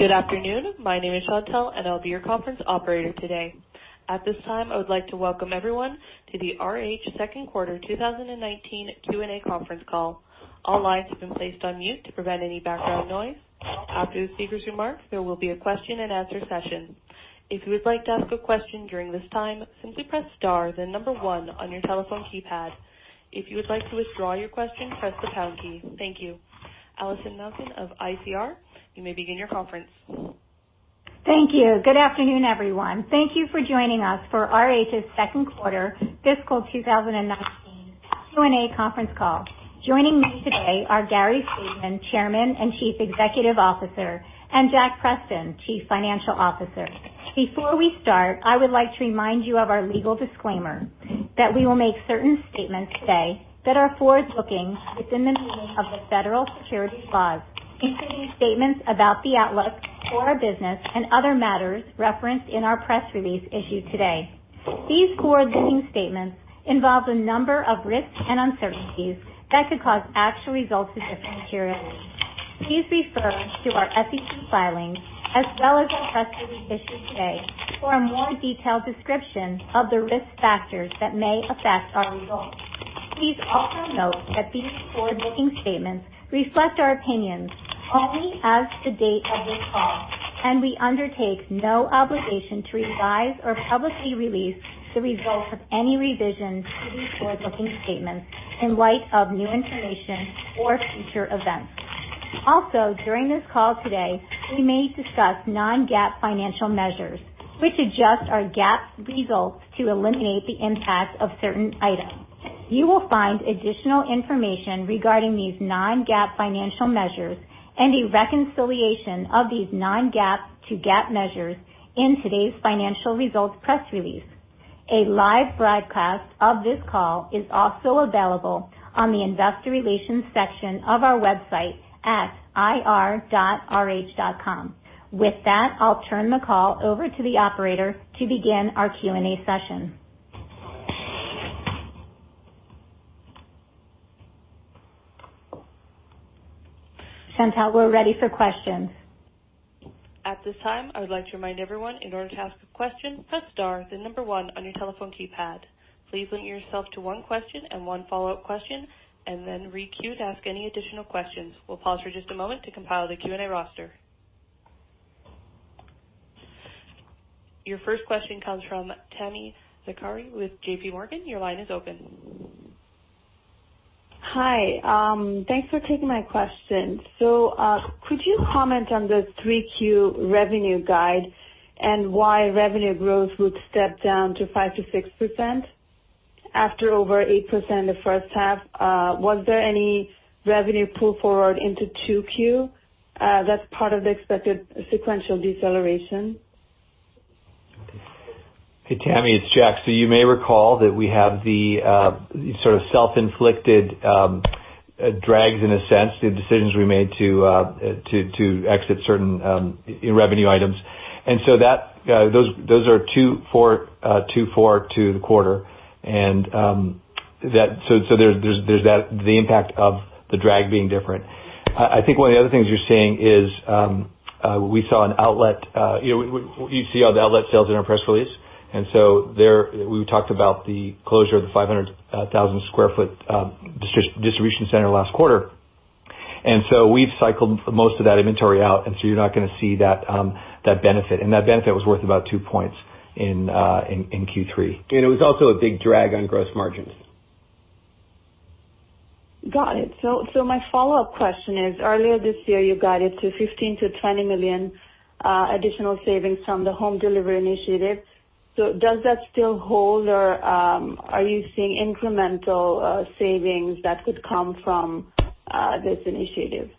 Good afternoon. My name is Chantelle, and I'll be your conference operator today. At this time, I would like to welcome everyone to the RH second quarter 2019 Q&A conference call. All lines have been placed on mute to prevent any background noise. After the speaker's remarks, there will be a question and answer session. If you would like to ask a question during this time, simply press star, then number 1 on your telephone keypad. If you would like to withdraw your question, press the pound key. Thank you. Allison Malkin of ICR, you may begin your conference. Thank you. Good afternoon, everyone. Thank you for joining us for RH's second quarter fiscal 2019 Q&A conference call. Joining me today are Gary Friedman, Chairman and Chief Executive Officer, and Jack Preston, Chief Financial Officer. Before we start, I would like to remind you of our legal disclaimer that we will make certain statements today that are forward-looking within the meaning of the federal securities laws, including statements about the outlook for our business and other matters referenced in our press release issued today. These forward-looking statements involve a number of risks and uncertainties that could cause actual results to differ materially. Please refer to our SEC filings as well as our press release issued today for a more detailed description of the risk factors that may affect our results. Please also note that these forward-looking statements reflect our opinions only as the date of this call, and we undertake no obligation to revise or publicly release the results of any revisions to these forward-looking statements in light of new information or future events. Also, during this call today, we may discuss non-GAAP financial measures, which adjust our GAAP results to eliminate the impact of certain items. You will find additional information regarding these non-GAAP financial measures and a reconciliation of these non-GAAP to GAAP measures in today's financial results press release. A live broadcast of this call is also available on the investor relations section of our website at ir.rh.com. With that, I'll turn the call over to the operator to begin our Q&A session. Chantelle, we're ready for questions. At this time, I would like to remind everyone, in order to ask a question, press star, then 1 on your telephone keypad. Please limit yourself to one question and one follow-up question, and then re-queue to ask any additional questions. We'll pause for just a moment to compile the Q&A roster. Your first question comes from Tami Zakaria with JPMorgan. Your line is open. Hi. Thanks for taking my question. Could you comment on the 3Q revenue guide and why revenue growth would step down to 5%-6% after over 8% the first half? Was there any revenue pull forward into 2Q that's part of the expected sequential deceleration? Hey, Tami, it's Jack. You may recall that we have the sort of self-inflicted drags, in a sense, the decisions we made to exit certain revenue items. Those are two for the quarter. There's the impact of the drag being different. I think one of the other things you're seeing is we saw an outlet. You see all the outlet sales in our press release. There, we talked about the closure of the 500,000 sq ft distribution center last quarter. We've cycled most of that inventory out, so you're not going to see that benefit. That benefit was worth about 2 points in Q3. It was also a big drag on gross margins. Got it. My follow-up question is, earlier this year you guided to $15 million-$20 million additional savings from the Home Delivery Initiative. Does that still hold, or are you seeing incremental savings that could come from this initiative?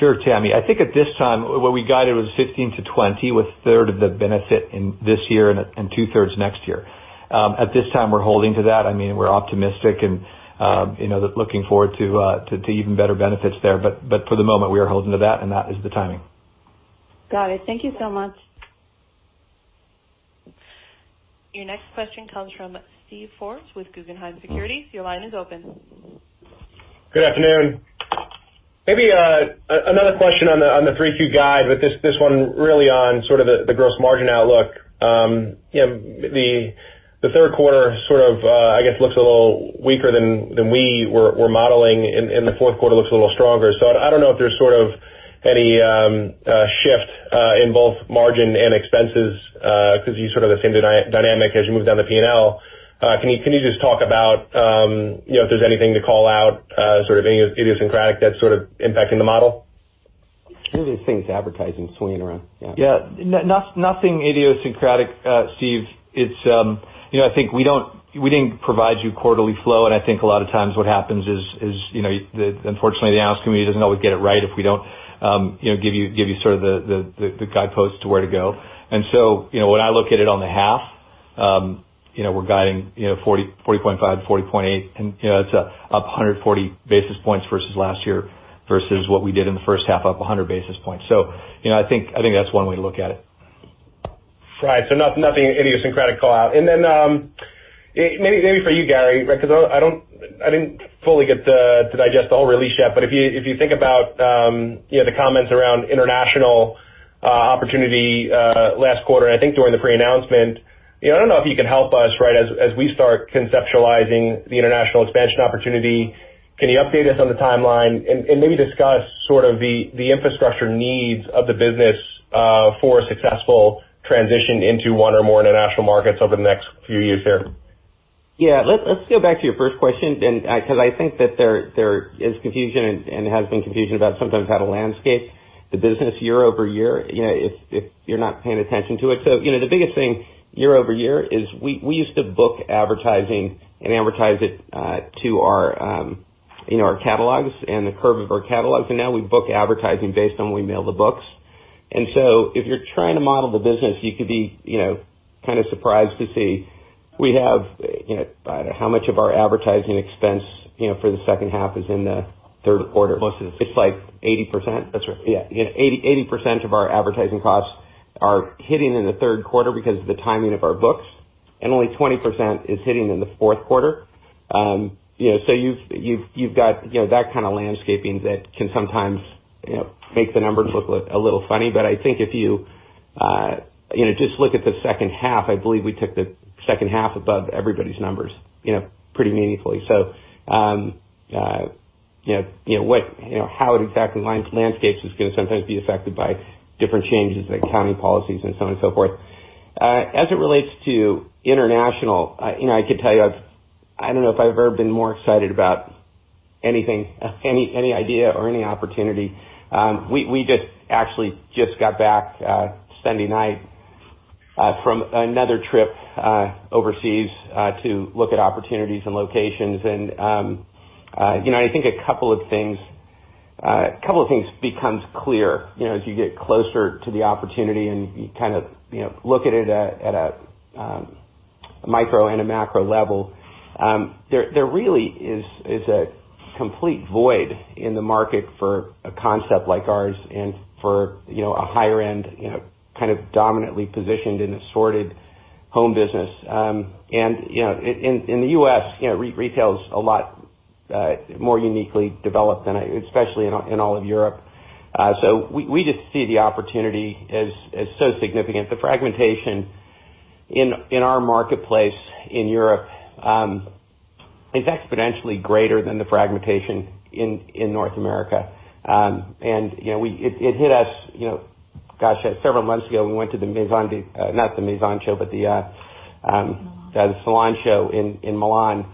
Sure, Tami. I think at this time, what we guided was 15%-20%, with a third of the benefit in this year and two-thirds next year. At this time, we're holding to that. We're optimistic and looking forward to even better benefits there. For the moment, we are holding to that, and that is the timing. Got it. Thank you so much. Your next question comes from Steve Forbes with Guggenheim Securities. Your line is open. Good afternoon. Maybe another question on the three Q guide, but this one really on sort of the gross margin outlook. The third quarter sort of, I guess, looks a little weaker than we were modeling, and the fourth quarter looks a little stronger. I don't know if there's sort of any shift in both margin and expenses because you sort of the same dynamic as you move down the P&L. Can you just talk about if there's anything to call out, sort of any idiosyncratic that's sort of impacting the model? Really think it's advertising swinging around. Yeah. Nothing idiosyncratic, Steve. I think we didn't provide you quarterly flow, and I think a lot of times what happens is, unfortunately, the analyst community doesn't always get it right if we don't give you sort of the guidepost to where to go. When I look at it on the half, we're guiding 40.5%-40.8%, and it's up 140 basis points versus last year, versus what we did in the first half up 100 basis points. I think that's one way to look at it. Right. Nothing idiosyncratic call out. Then maybe for you, Gary, because I didn't fully get to digest the whole release yet, but if you think about the comments around international opportunity last quarter, and I think during the pre-announcement. I don't know if you can help us as we start conceptualizing the international expansion opportunity. Can you update us on the timeline and maybe discuss sort of the infrastructure needs of the business for a successful transition into one or more international markets over the next few years here? Yeah. Let's go back to your first question, because I think that there is confusion and has been confusion about sometimes how to landscape the business year-over-year, if you're not paying attention to it. The biggest thing year-over-year is we used to book advertising and advertise it to our catalogs and the curve of our catalogs, and now we book advertising based on when we mail the books. If you're trying to model the business, you could be kind of surprised to see we have how much of our advertising expense for the second half is in the third quarter. Most is. It's like 80%. That's right. Yeah. 80% of our advertising costs are hitting in the third quarter because of the timing of our books, and only 20% is hitting in the fourth quarter. You've got that kind of landscaping that can sometimes make the numbers look a little funny. I think if you just look at the second half, I believe we took the second half above everybody's numbers pretty meaningfully. How it exactly landscapes is going to sometimes be affected by different changes, like accounting policies and so on and so forth. As it relates to international, I could tell you, I don't know if I've ever been more excited about anything, any idea or any opportunity. We just actually just got back Sunday night from another trip overseas to look at opportunities and locations. I think a couple of things becomes clear as you get closer to the opportunity and you kind of look at it at a micro and a macro level. There really is a complete void in the market for a concept like ours and for a higher end kind of dominantly positioned and assorted home business. In the U.S., retail is a lot more uniquely developed than, especially in all of Europe. We just see the opportunity as so significant. The fragmentation in our marketplace in Europe is exponentially greater than the fragmentation in North America. It hit us, gosh, several months ago, we went to the Maison, not the Maison show. Salon The Salone del Mobile in Milan.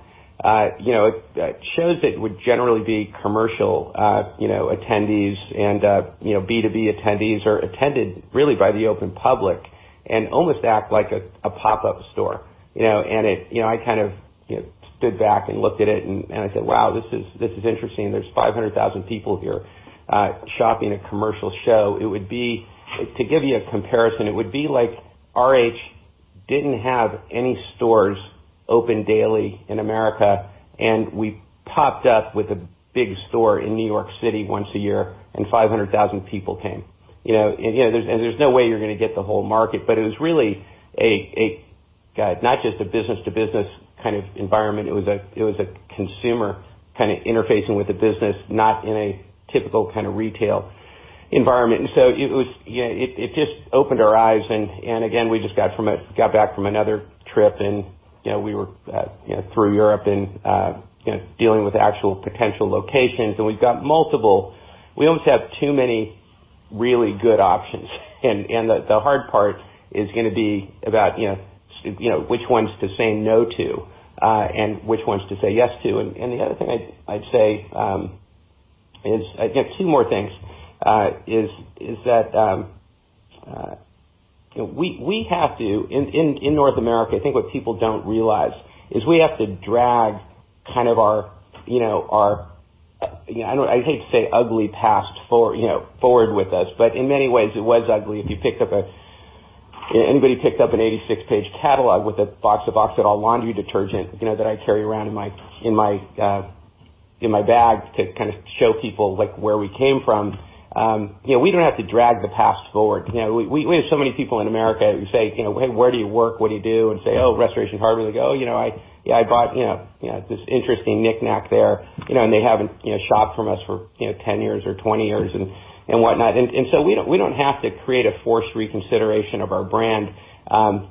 Shows that would generally be commercial attendees and B2B attendees are attended really by the open public and almost act like a pop-up store. I kind of stood back and looked at it and I said, "Wow, this is interesting. There's 500,000 people here shopping a commercial show." To give you a comparison, it would be like RH didn't have any stores open daily in America, and we popped up with a big store in New York City once a year, and 500,000 people came. There's no way you're going to get the whole market. It was really not just a business to business kind of environment. It was a consumer kind of interfacing with the business, not in a typical kind of retail environment. It just opened our eyes. Again, we just got back from another trip, and we were through Europe and dealing with actual potential locations, and we've got multiple. We almost have too many really good options. The hard part is going to be about which ones to say no to and which ones to say yes to. The other thing I'd say is, I got two more things, is that we have to, in North America, I think what people don't realize is we have to drag kind of our, I hate to say ugly past forward with us, but in many ways it was ugly. If anybody picked up an 86-page catalog with a box of Oxydol Laundry Detergent that I carry around in my bag to kind of show people where we came from. We don't have to drag the past forward. We have so many people in America who say, "Where do you work? What do you do?" Say, "Oh, Restoration Hardware." They go, "Oh, I bought this interesting knick-knack there," and they haven't shopped from us for 10 years or 20 years and whatnot. We don't have to create a forced reconsideration of our brand.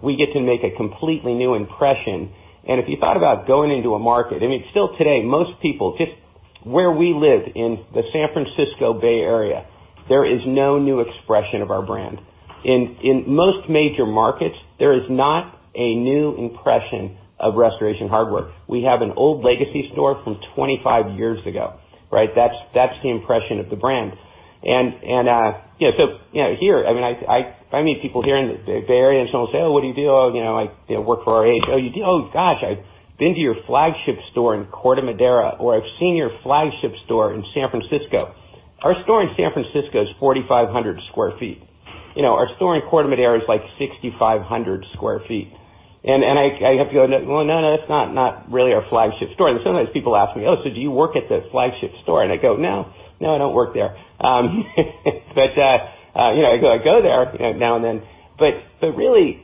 We get to make a completely new impression. If you thought about going into a market, I mean, still today, most people, just where we live in the San Francisco Bay Area, there is no new expression of our brand. In most major markets, there is not a new impression of Restoration Hardware. We have an old legacy store from 25 years ago, right? That's the impression of the brand. If I meet people here in the Bay Area, someone will say, "Oh, what do you do?" "Oh, I work for RH." "Oh, you do? Oh, gosh, I've been to your flagship store in Corte Madera," or, "I've seen your flagship store in San Francisco." Our store in San Francisco is 4,500 sq ft. Our store in Corte Madera is like 6,500 sq ft. I have to go, "Well, no, that's not really our flagship store." Sometimes people ask me, "Oh, so do you work at the flagship store?" I go, "No, I don't work there." I go, "I go there now and then." Really,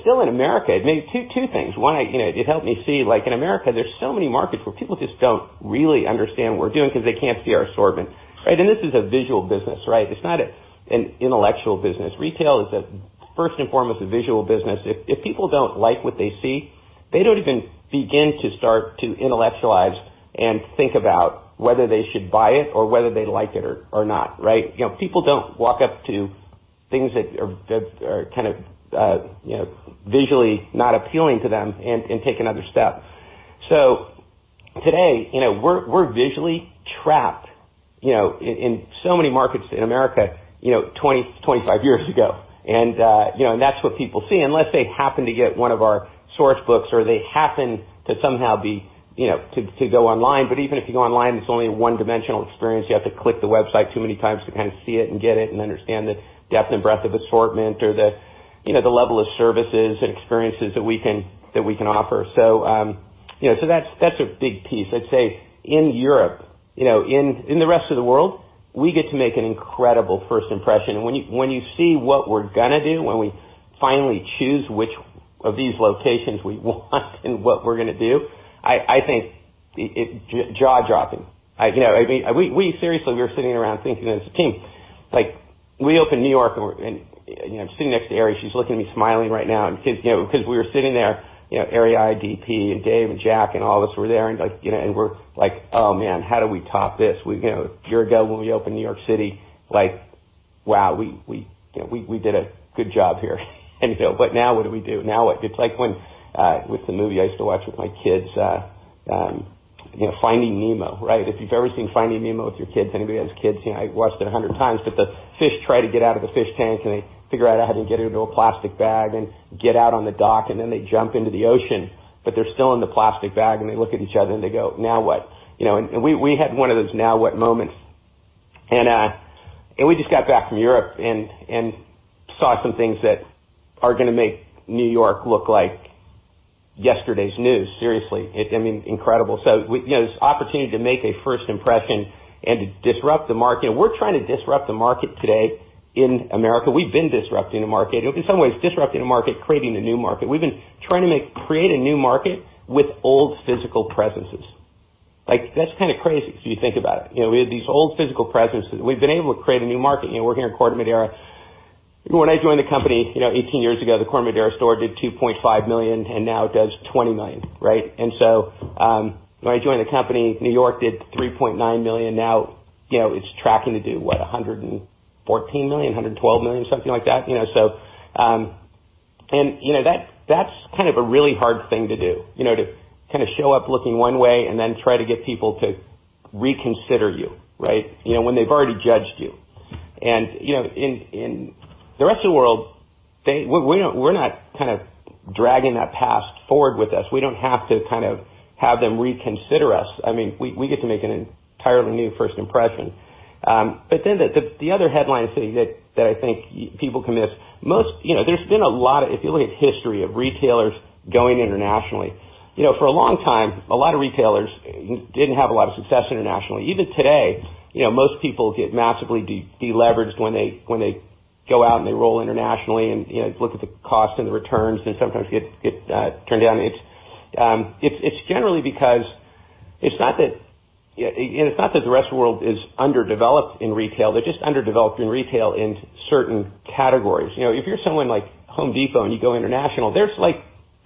still in America, maybe two things. One, it helped me see, in America, there's so many markets where people just don't really understand what we're doing because they can't see our assortment. This is a visual business. It's not an intellectual business. Retail is first and foremost a visual business. If people don't like what they see, they don't even begin to start to intellectualize and think about whether they should buy it or whether they like it or not. People don't walk up to things that are visually not appealing to them and take another step. Today, we're visually trapped in so many markets in America, 25 years ago. That's what people see, unless they happen to get one of our source books or they happen to somehow go online. Even if you go online, it's only a one-dimensional experience. You have to click the website too many times to kind of see it and get it and understand the depth and breadth of assortment or the level of services and experiences that we can offer. That's a big piece. I'd say in Europe, in the rest of the world, we get to make an incredible first impression. When you see what we're going to do, when we finally choose which of these locations we want and what we're going to do, I think it jaw-dropping. We seriously were sitting around thinking as a team. We opened New York and I'm sitting next to Eri, she's looking at me smiling right now because we were sitting there, Eri, IDP, and Dave, and Jack, and all of us were there and we're like "Oh, man, how do we top this?" A year ago when we opened New York City, wow, we did a good job here. Now what do we do? Now what? It's like with the movie I used to watch with my kids, "Finding Nemo." If you've ever seen "Finding Nemo" with your kids, anybody who has kids, I watched it 100 times. The fish try to get out of the fish tank. They figure out how to get into a plastic bag and get out on the dock. They jump into the ocean. They're still in the plastic bag. They look at each other and they go, "Now what?" We had one of those now what moments. We just got back from Europe and saw some things that are going to make New York look like yesterday's news, seriously. I mean, incredible. This opportunity to make a first impression and to disrupt the market. We're trying to disrupt the market today in America. We've been disrupting the market. In some ways, disrupting the market, creating a new market. We've been trying to create a new market with old physical presences. That's kind of crazy if you think about it. We had these old physical presences. We've been able to create a new market. We're here in Corte Madera. When I joined the company 18 years ago, the Corte Madera store did $2.5 million, now it does $20 million. When I joined the company, New York did $3.9 million. Now, it's tracking to do, what, $114 million, $112 million, something like that. That's kind of a really hard thing to do, to show up looking one way then try to get people to reconsider you when they've already judged you. In the rest of the world, we're not dragging that past forward with us. We don't have to have them reconsider us. We get to make an entirely new first impression. The other headline thing that I think people can miss, if you look at history of retailers going internationally, for a long time, a lot of retailers didn't have a lot of success internationally. Even today, most people get massively de-leveraged when they go out and they roll internationally and look at the cost and the returns and sometimes get turned down. It's generally because it's not that the rest of the world is underdeveloped in retail. They're just underdeveloped in retail in certain categories. If you're someone like Home Depot and you go international,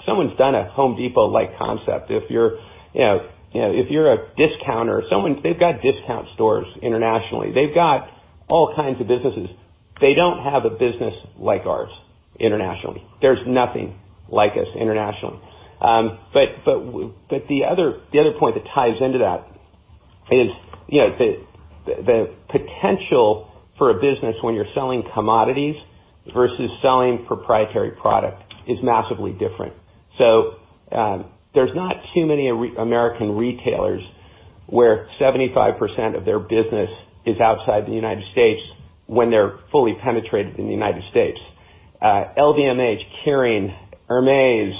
someone's done a Home Depot-like concept. If you're a discounter, they've got discount stores internationally. They've got all kinds of businesses. They don't have a business like ours internationally. There's nothing like us internationally. The other point that ties into that is the potential for a business when you're selling commodities versus selling proprietary product is massively different. There's not too many American retailers where 75% of their business is outside the United States when they're fully penetrated in the United States. LVMH, Kering, Hermès,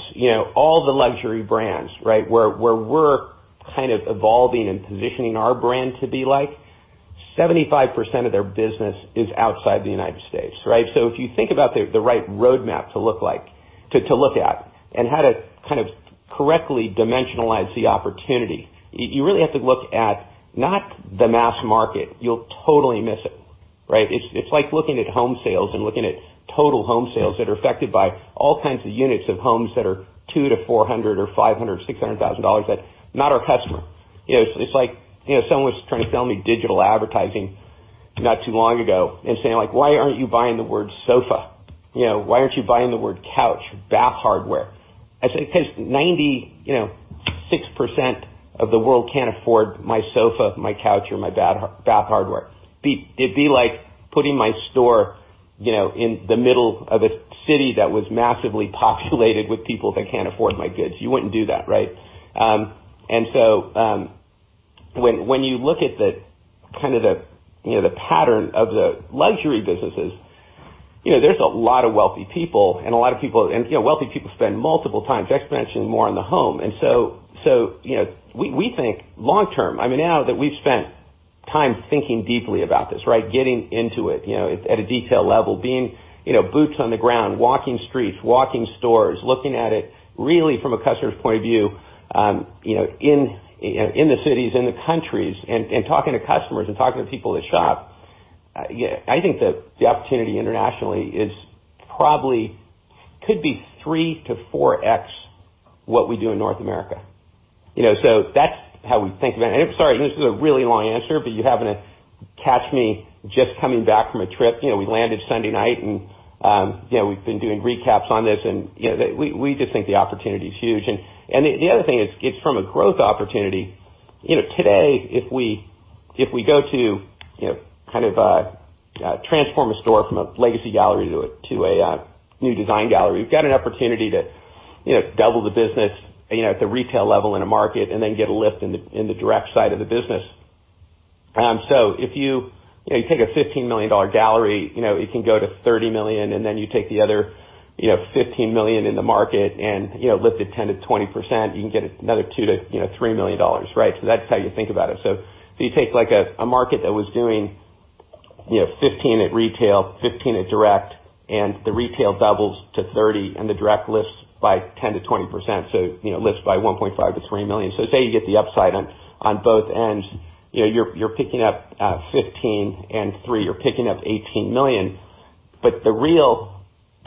all the luxury brands, where we're evolving and positioning our brand to be like, 75% of their business is outside the United States. If you think about the right roadmap to look at and how to correctly dimensionalize the opportunity, you really have to look at not the mass market. You'll totally miss it. It's like looking at home sales and looking at total home sales that are affected by all kinds of units of homes that are $2-$400 or $500 or $600,000. That's not our customer. It's like someone was trying to sell me digital advertising not too long ago and saying, like, "Why aren't you buying the word sofa? Why aren't you buying the word couch or bath hardware?" I said, "Because 96% of the world can't afford my sofa, my couch, or my bath hardware." It'd be like putting my store in the middle of a city that was massively populated with people that can't afford my goods. You wouldn't do that. When you look at the pattern of the luxury businesses, there's a lot of wealthy people, and wealthy people spend multiple times expansion more on the home. We think long-term, now that we've spent time thinking deeply about this, right? Getting into it at a detail level, being boots on the ground, walking streets, walking stores, looking at it really from a customer's point of view, in the cities, in the countries, and talking to customers and talking to people that shop. I think the opportunity internationally probably could be 3x to 4x what we do in North America. That's how we think about it. Sorry, this is a really long answer, but you happen to catch me just coming back from a trip. We landed Sunday night and we've been doing recaps on this, and we just think the opportunity is huge. The other thing is from a growth opportunity, today, if we go to transform a store from a legacy gallery to a new design gallery, we've got an opportunity to double the business at the retail level in a market, then get a lift in the direct side of the business. If you take a $15 million gallery, it can go to $30 million, then you take the other $15 million in the market and lift it 10%-20%, you can get another $2 million-$3 million, right? That's how you think about it. You take a market that was doing $15 at retail, $15 at direct, and the retail doubles to $30, and the direct lifts by 10%-20%, so lifts by $1.5 million-$3 million. Say you get the upside on both ends, you're picking up 15 and three, you're picking up $18 million. The real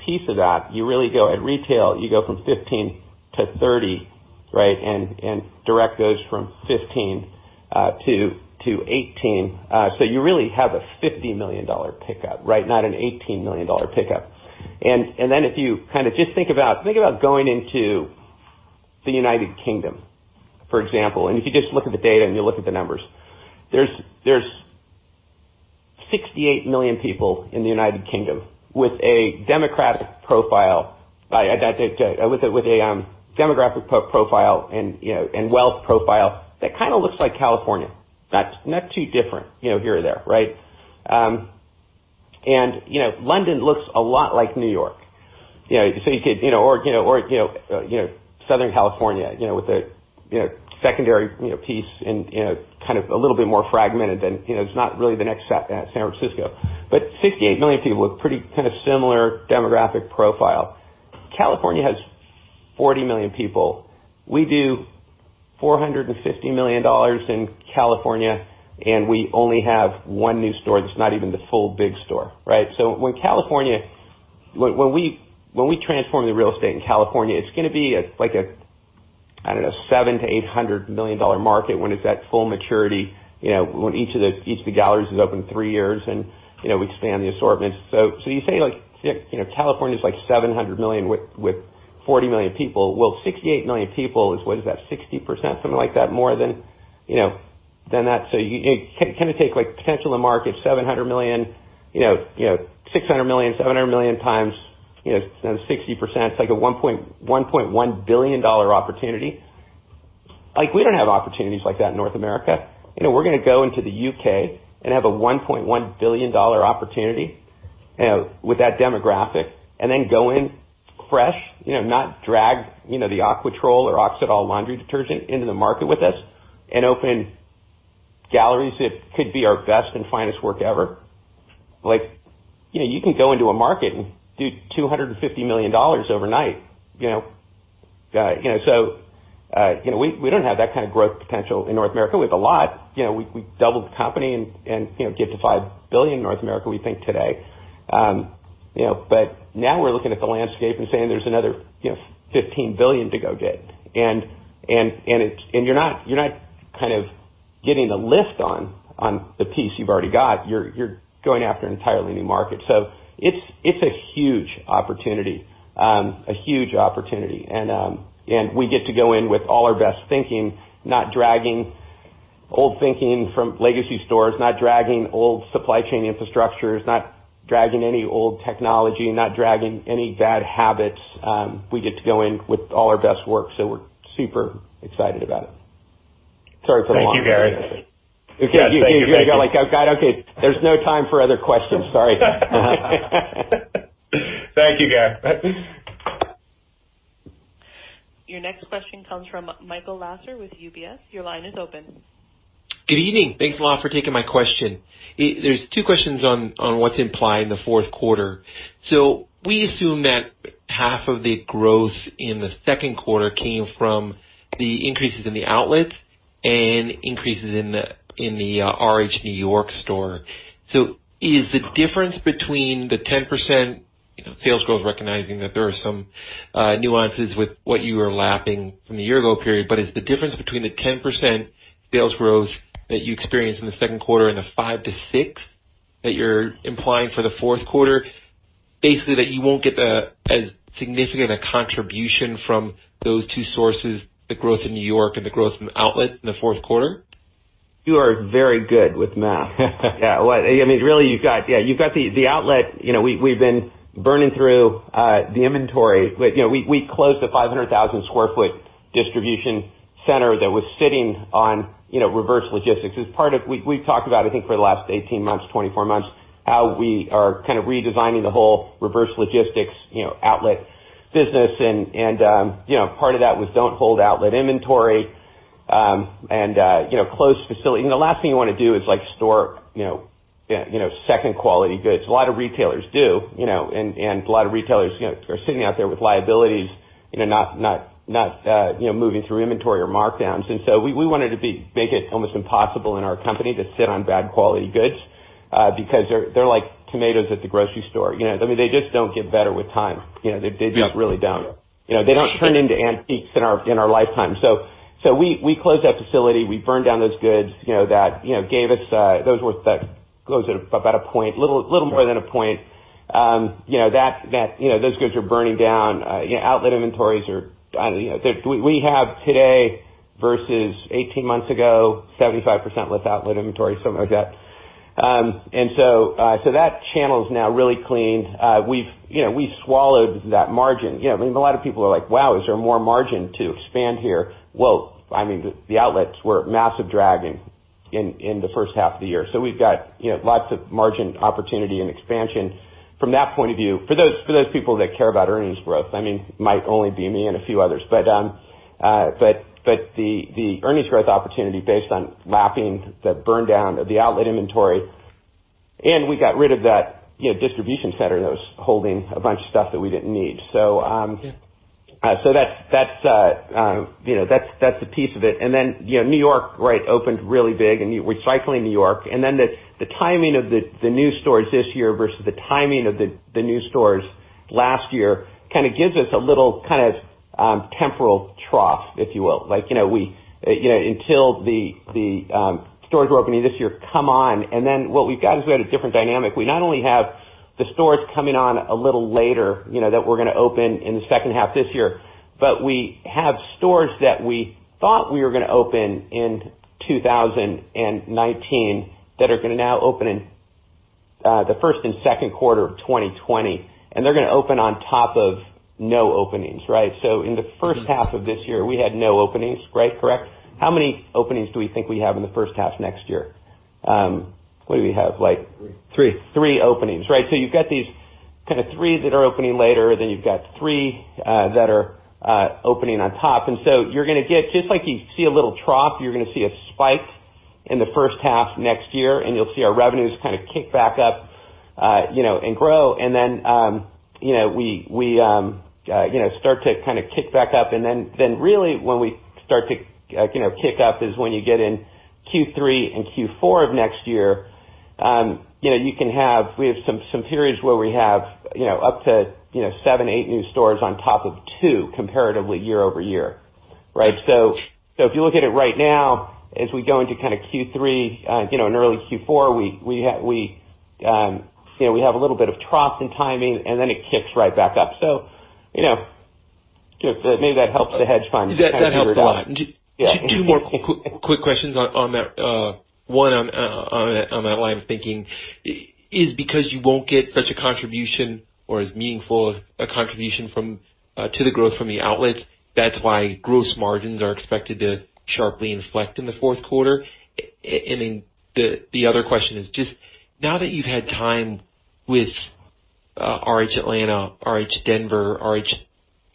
piece of that, you really go at retail, you go from 15 to 30, right? Direct goes from 15 to 18. You really have a $50 million pickup, right? Not an $18 million pickup. If you just think about going into the U.K., for example, if you just look at the data and you look at the numbers, there's 68 million people in the U.K. with a demographic profile and wealth profile that kind of looks like California. Not too different, here or there, right? London looks a lot like New York, or Southern California with a secondary piece and kind of a little bit more fragmented. It's not really the next San Francisco. 68 million people with pretty similar demographic profile. California has 40 million people. We do $450 million in California, and we only have one new store that's not even the full big store, right? When we transform the real estate in California, it's going to be like a, I don't know, $700 million-$800 million market when it's at full maturity, when each of the galleries is open three years and we expand the assortments. You say California's like $700 million with 40 million people. 68 million people is, what is that, 60%, something like that, more than that. You take potential of market $700 million, $600 million, $700 million times 60%, it's like a $1.1 billion opportunity. We don't have opportunities like that in North America. We're going to go into the U.K. and have a $1.1 billion opportunity with that demographic. Go in fresh, not drag the OxiClean or Oxydol Laundry Detergent into the market with us. Open galleries that could be our best and finest work ever. You can go into a market and do $250 million overnight. We don't have that kind of growth potential in North America. We have a lot. We doubled the company and get to $5 billion in North America, we think, today. Now we're looking at the landscape and saying there's another $15 billion to go get. You're not getting a lift on the piece you've already got. You're going after an entirely new market. It's a huge opportunity. A huge opportunity. We get to go in with all our best thinking, not dragging old thinking from legacy stores, not dragging old supply chain infrastructures, not dragging any old technology, not dragging any bad habits. We get to go in with all our best work, so we're super excited about it. Sorry for the long answer. Thank you, Gary. You're like, "Oh, God, okay." There's no time for other questions. Sorry. Thank you, Gary. Your next question comes from Michael Lasser with UBS. Your line is open. Good evening. Thanks a lot for taking my question. There's two questions on what's implied in the fourth quarter. We assume that half of the growth in the second quarter came from the increases in the outlets and increases in the RH N.Y. store. Is the difference between the 10% sales growth, recognizing that there are some nuances with what you are lapping from the year ago period, but is the difference between the 10% sales growth that you experienced in the second quarter and the 5%-6% that you're implying for the fourth quarter, basically that you won't get as significant a contribution from those two sources, the growth in N.Y. and the growth in outlet in the fourth quarter? You are very good with math. Yeah. Really, you've got the outlet. We've been burning through the inventory. We closed a 500,000 square foot distribution center that was sitting on reverse logistics. We've talked about, I think, for the last 18 months, 24 months, how we are kind of redesigning the whole reverse logistics outlet business. Part of that was don't hold outlet inventory and close facility. The last thing you want to do is store second quality goods. A lot of retailers do, a lot of retailers are sitting out there with liabilities not moving through inventory or markdowns. We wanted to make it almost impossible in our company to sit on bad quality goods, because they're like tomatoes at the grocery store. They just don't get better with time. Yeah. They just really don't. They don't turn into antiques in our lifetime. We closed that facility. We burned down those goods. Those were close to about a point. Little more than a point. Those goods we're burning down. We have today, versus 18 months ago, 75% less outlet inventory, something like that. That channel is now really clean. We swallowed that margin. A lot of people are like, "Wow, is there more margin to expand here?" The outlets were massive dragging in the first half of the year. We've got lots of margin opportunity and expansion from that point of view. For those people that care about earnings growth, might only be me and a few others. The earnings growth opportunity based on lapping the burn down of the outlet inventory, and we got rid of that distribution center that was holding a bunch of stuff that we didn't need. Yeah. That's a piece of it. New York, right, opened really big and we cycling New York. The timing of the new stores this year versus the timing of the new stores last year, kind of gives us a little temporal trough, if you will. Until the stores we're opening this year come on, what we've got is we had a different dynamic. We not only have the stores coming on a little later, that we're going to open in the second half this year, but we have stores that we thought we were going to open in 2019 that are going to now open in the first and second quarter of 2020, and they're going to open on top of no openings. Right? In the first half of this year, we had no openings. Right? Correct. How many openings do we think we have in the first half next year? What do we have? Three. Three openings. Right. You've got these kind of three that are opening later, then you've got three that are opening on top. You're going to get, just like you see a little trough, you're going to see a spike in the first half next year, and you'll see our revenues kind of kick back up and grow. Then we start to kind of kick back up, and then really when we start to kick up is when you get in Q3 and Q4 of next year. We have some periods where we have up to seven, eight new stores on top of two comparatively year-over-year. Right. If you look at it right now as we go into Q3, and early Q4, we have a little bit of trough and timing, and then it kicks right back up. Maybe that helps the hedge fund. That helped a lot. Yeah. Two more quick questions on that. One, on that line of thinking, is because you won't get such a contribution or as meaningful a contribution to the growth from the outlets, that's why gross margins are expected to sharply inflect in the fourth quarter? The other question is just now that you've had time with RH Atlanta, RH Denver, RH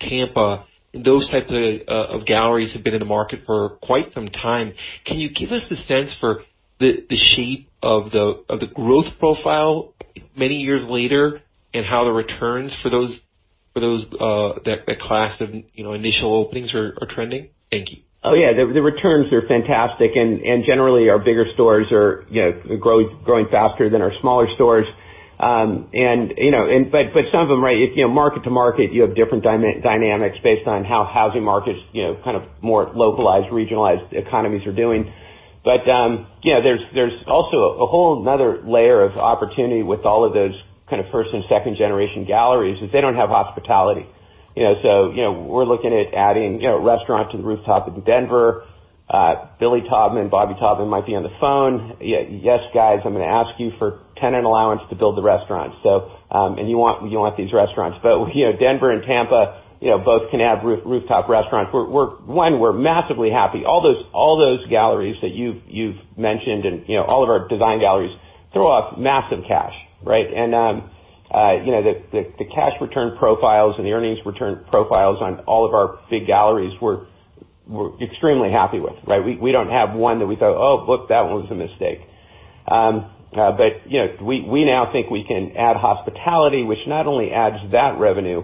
Tampa, and those types of galleries have been in the market for quite some time, can you give us the sense for the shape of the growth profile many years later and how the returns for that class of initial openings are trending? Thank you. Yeah, the returns are fantastic. Generally, our bigger stores are growing faster than our smaller stores. Some of them, right, market to market, you have different dynamics based on how housing markets, kind of more localized, regionalized economies are doing. There's also a whole another layer of opportunity with all of those kind of first and second generation galleries, is they don't have hospitality. We're looking at adding a restaurant to the rooftop in Denver. Billy Taubman and Bobby Taubman might be on the phone. Yes, guys, I'm going to ask you for tenant allowance to build the restaurant. You want these restaurants. Denver and Tampa both can have rooftop restaurants. One, we're massively happy. All those galleries that you've mentioned and all of our design galleries throw off massive cash, right? The cash return profiles and the earnings return profiles on all of our big galleries, we're extremely happy with. Right? We don't have one that we thought, "Oh, look, that one's a mistake." We now think we can add hospitality, which not only adds that revenue,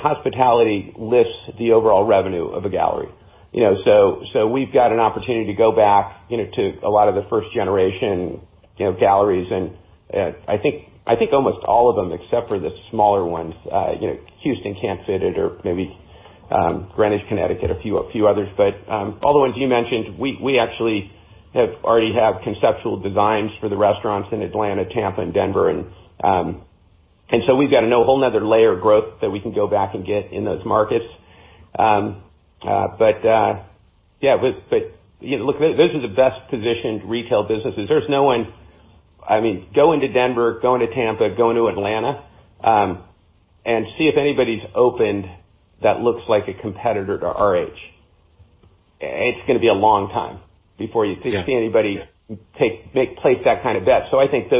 hospitality lifts the overall revenue of a gallery. We've got an opportunity to go back to a lot of the first generation galleries, and I think almost all of them, except for the smaller ones. Houston can't fit it, or maybe Greenwich, Connecticut, a few others. All the ones you mentioned, we actually already have conceptual designs for the restaurants in Atlanta, Tampa, and Denver. We've got a whole another layer of growth that we can go back and get in those markets. Look, those are the best positioned retail businesses. Go into Denver, go into Tampa, go into Atlanta, and see if anybody's opened that looks like a competitor to RH. It's going to be a long time before you see anybody place that kind of bet. I think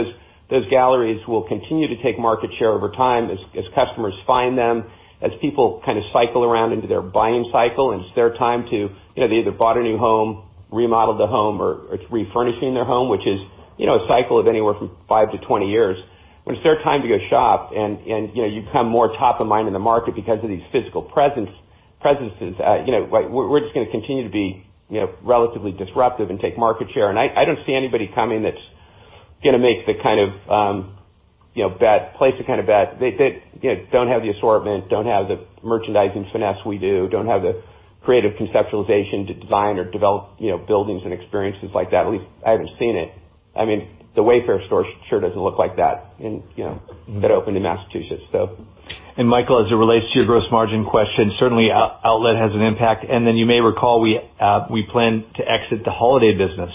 those galleries will continue to take market share over time as customers find them, as people cycle around into their buying cycle. They either bought a new home, remodeled the home, or it's refurnishing their home, which is a cycle of anywhere from five to 20 years. When it's their time to go shop and you become more top of mind in the market because of these physical presences. We're just going to continue to be relatively disruptive and take market share. I don't see anybody coming that's going to place the kind of bet. They don't have the assortment, don't have the merchandising finesse we do, don't have the creative conceptualization to design or develop buildings and experiences like that. At least I haven't seen it. The Wayfair store sure doesn't look like that opened in Massachusetts. Michael, as it relates to your gross margin question, certainly outlet has an impact. You may recall, we plan to exit the holiday business.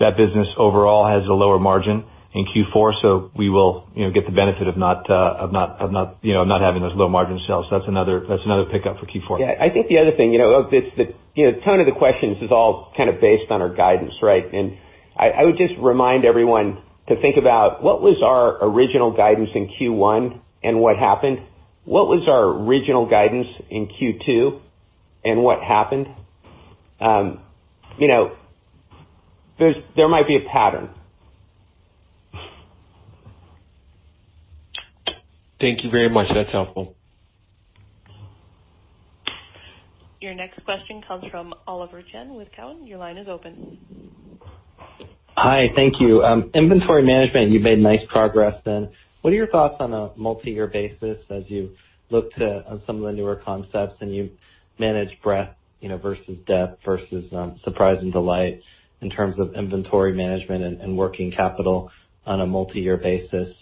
That business overall has a lower margin in Q4. We will get the benefit of not having those low margin sales. That's another pickup for Q4. Yeah. I think the other thing, the tone of the questions is all based on our guidance. I would just remind everyone to think about what was our original guidance in Q1 and what happened. What was our original guidance in Q2 and what happened? There might be a pattern. Thank you very much. That's helpful. Your next question comes from Oliver Chen with Cowen. Your line is open. Hi, thank you. Inventory management, you've made nice progress in. What are your thoughts on a multi-year basis as you look to some of the newer concepts, and you manage breadth versus depth versus surprise and delight in terms of inventory management and working capital on a multi-year basis?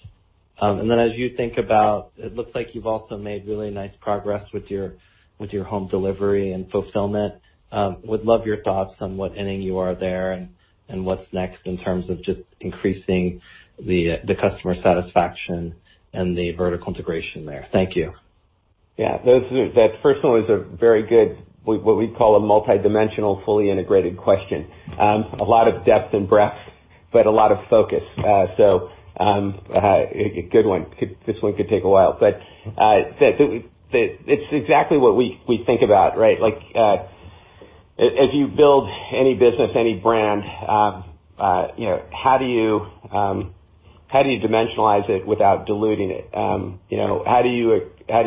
As you think about, it looks like you've also made really nice progress with your home delivery and fulfillment. Would love your thoughts on what inning you are there and what's next in terms of just increasing the customer satisfaction and the vertical integration there. Thank you. Yeah. That first one was a very good, what we'd call a multidimensional, fully integrated question. A lot of depth and breadth, but a lot of focus. A good one. This one could take a while. It's exactly what we think about. As you build any business, any brand, how do you dimensionalize it without diluting it? How do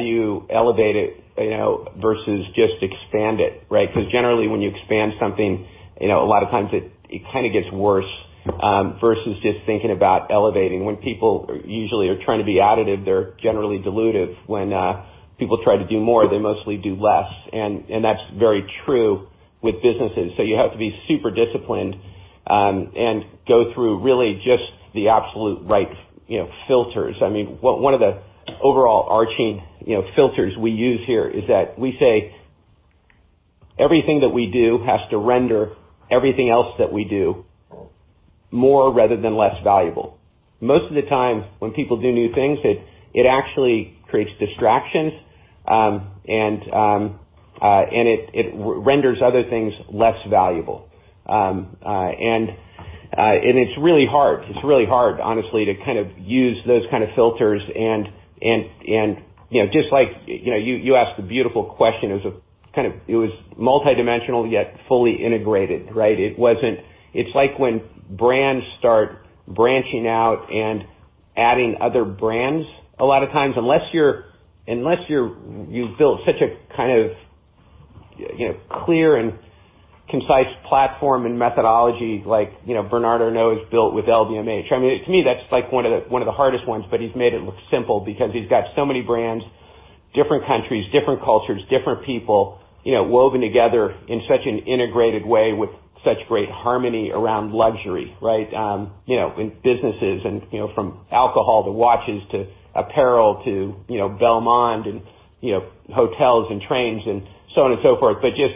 you elevate it versus just expand it? Because generally, when you expand something, a lot of times it kind of gets worse, versus just thinking about elevating. When people usually are trying to be additive, they're generally dilutive. When people try to do more, they mostly do less. That's very true with businesses. You have to be super disciplined and go through really just the absolute right filters. One of the overarching filters we use here is that we say everything that we do has to render everything else that we do more rather than less valuable. Most of the time, when people do new things, it actually creates distractions. It renders other things less valuable. It's really hard, honestly, to use those kind of filters and just like you asked a beautiful question. It was multidimensional, yet fully integrated. It's like when brands start branching out and adding other brands a lot of times. Unless you've built such a clear and concise platform and methodology like Bernard Arnault has built with LVMH. To me, that's one of the hardest ones. He's made it look simple because he's got so many brands, different countries, different cultures, different people woven together in such an integrated way with such great harmony around luxury. In businesses from alcohol to watches to apparel to Belmond and hotels and trains and so on and so forth. Just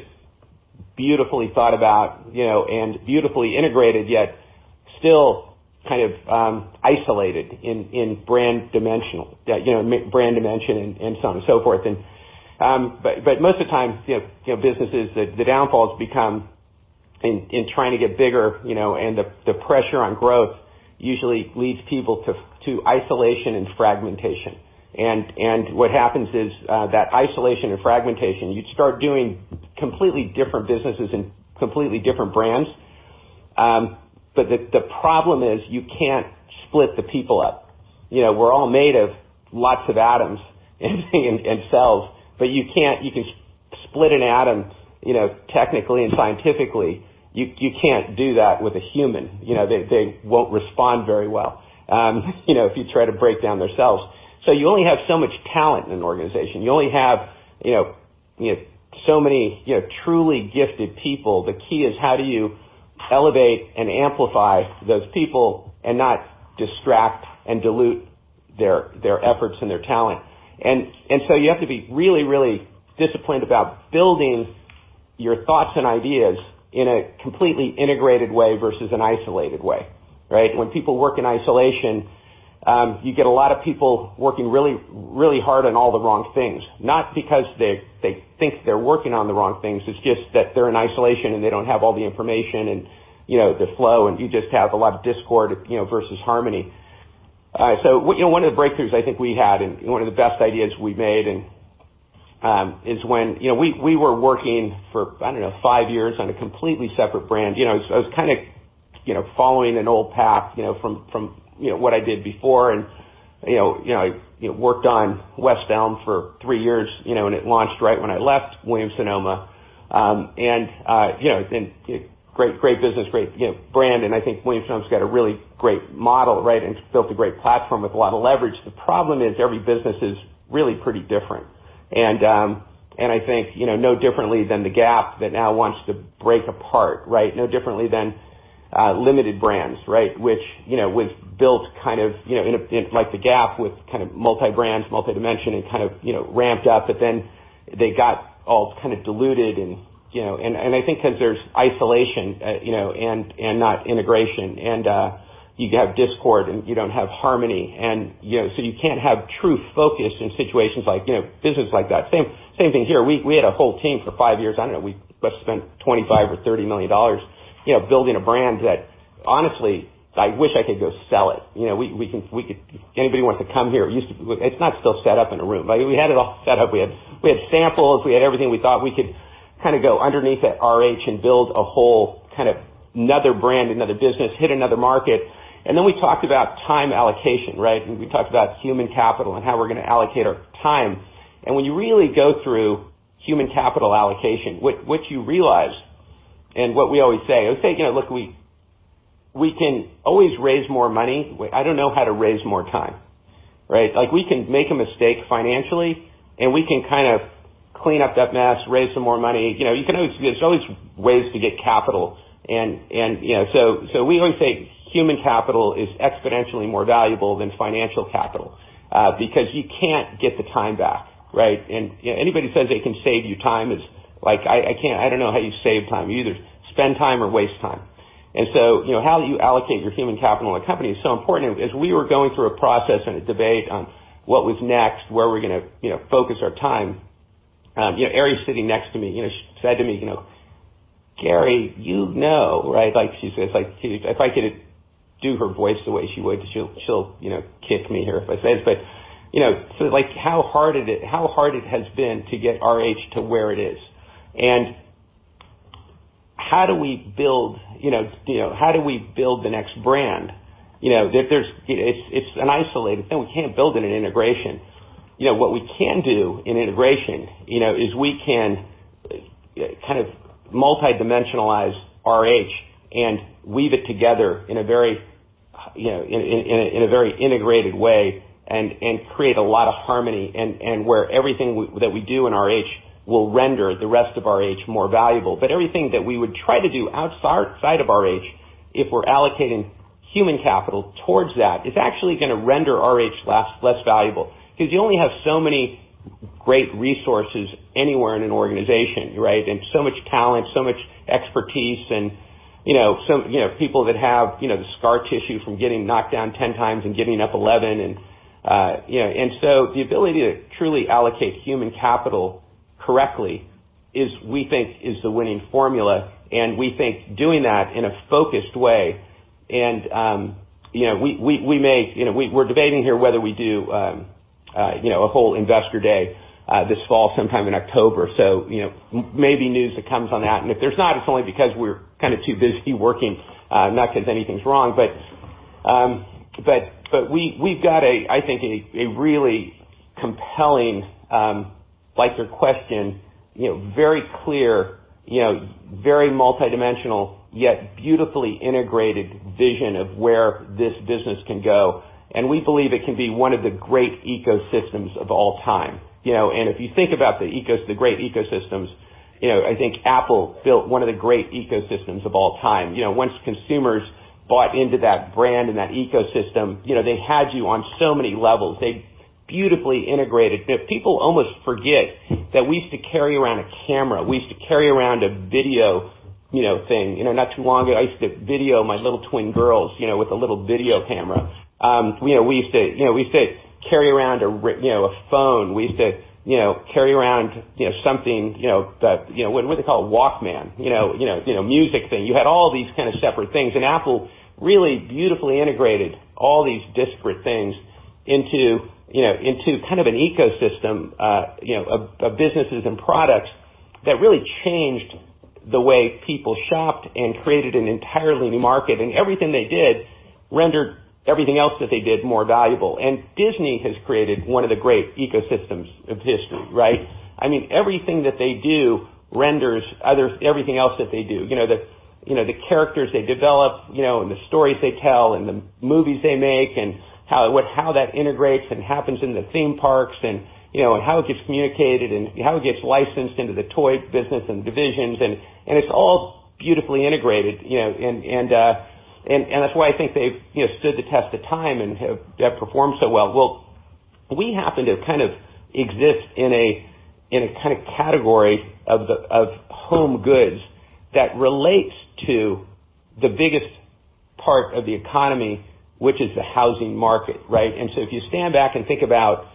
beautifully thought about and beautifully integrated, yet still kind of isolated in brand dimension and so on and so forth. Most of the time, businesses, the downfalls become in trying to get bigger, and the pressure on growth usually leads people to isolation and fragmentation. What happens is that isolation and fragmentation, you start doing completely different businesses and completely different brands. The problem is you can't split the people up. We're all made of lots of atoms and cells, but you can split an atom technically and scientifically. You can't do that with a human. They won't respond very well if you try to break down their cells. You only have so much talent in an organization. You only have so many truly gifted people. The key is how do you elevate and amplify those people and not distract and dilute their efforts and their talent. You have to be really, really disciplined about building your thoughts and ideas in a completely integrated way versus an isolated way. When people work in isolation, you get a lot of people working really hard on all the wrong things. Not because they think they're working on the wrong things, it's just that they're in isolation, and they don't have all the information and the flow, and you just have a lot of discord versus harmony. One of the breakthroughs I think we had, and one of the best ideas we made is when we were working for, I don't know, five years on a completely separate brand. I was kind of following an old path from what I did before, and I worked on West Elm for three years, and it launched right when I left Williams-Sonoma. Great business, great brand, and I think Williams-Sonoma's got a really great model and built a great platform with a lot of leverage. The problem is every business is really pretty different. I think, no differently than the Gap that now wants to break apart. No differently than Limited Brands which was built kind of like the Gap with kind of multi-brand, multi-dimension and kind of ramped up, but then they got all kind of diluted, and I think because there's isolation and not integration, and you have discord and you don't have harmony. You can't have true focus in situations like business like that. Same thing here. We had a whole team for five years. I don't know. We must've spent $25 or $30 million building a brand that honestly, I wish I could go sell it. If anybody wants to come here, it's not still set up in a room. We had it all set up. We had samples. We had everything. We thought we could kind of go underneath at RH and build a whole kind of another brand, another business, hit another market. We talked about time allocation. We talked about human capital and how we're going to allocate our time. When you really go through human capital allocation, what you realize, and what we always say, I would say, look, we can always raise more money. I don't know how to raise more time. We can make a mistake financially, we can kind of clean up that mess, raise some more money. There's always ways to get capital. We always say human capital is exponentially more valuable than financial capital, because you can't get the time back. Anybody says they can save you time is like, I don't know how you save time. You either spend time or waste time. How you allocate your human capital in a company is so important. As we were going through a process and a debate on what was next, where we're going to focus our time, Eri's sitting next to me, she said to me, "Gary, you know." If I could do her voice the way she would, she'll kick me here if I say it, but like how hard it has been to get RH to where it is. How do we build the next brand? It's an isolated thing. We can't build it in integration. What we can do in integration is we can kind of multi-dimensionalize RH and weave it together in a very integrated way and create a lot of harmony and where everything that we do in RH will render the rest of RH more valuable. Everything that we would try to do outside of RH, if we're allocating human capital towards that, is actually going to render RH less valuable because you only have so many great resources anywhere in an organization. So much talent, so much expertise, and people that have the scar tissue from getting knocked down 10 times and getting up 11. The ability to truly allocate human capital correctly, we think, is the winning formula, and we think doing that in a focused way. We're debating here whether we do a whole investor day this fall sometime in October. Maybe news that comes on that, and if there's not, it's only because we're kind of too busy working, not because anything's wrong. We've got, I think, a really compelling, like your question, very clear, very multidimensional, yet beautifully integrated vision of where this business can go. We believe it can be one of the great ecosystems of all time. If you think about the great ecosystems, I think Apple built one of the great ecosystems of all time. Once consumers bought into that brand and that ecosystem, they had you on so many levels. They beautifully integrated. People almost forget that we used to carry around a camera. We used to carry around a video thing. Not too long ago, I used to video my little twin girls with a little video camera. We used to carry around a phone. We used to carry around something, what they call a Walkman, music thing. You had all these kind of separate things. Apple really beautifully integrated all these disparate things into kind of an ecosystem of businesses and products that really changed the way people shopped and created an entirely new market. Everything they did rendered everything else that they did more valuable. Disney has created one of the great ecosystems of history. I mean, everything that they do renders everything else that they do. The characters they develop, and the stories they tell, and the movies they make, and how that integrates and happens in the theme parks and how it gets communicated and how it gets licensed into the toy business and divisions, and it's all beautifully integrated. That's why I think they've stood the test of time and have performed so well. We happen to kind of exist in a kind of category of home goods that relates to the biggest part of the economy, which is the housing market, right? So if you stand back and think about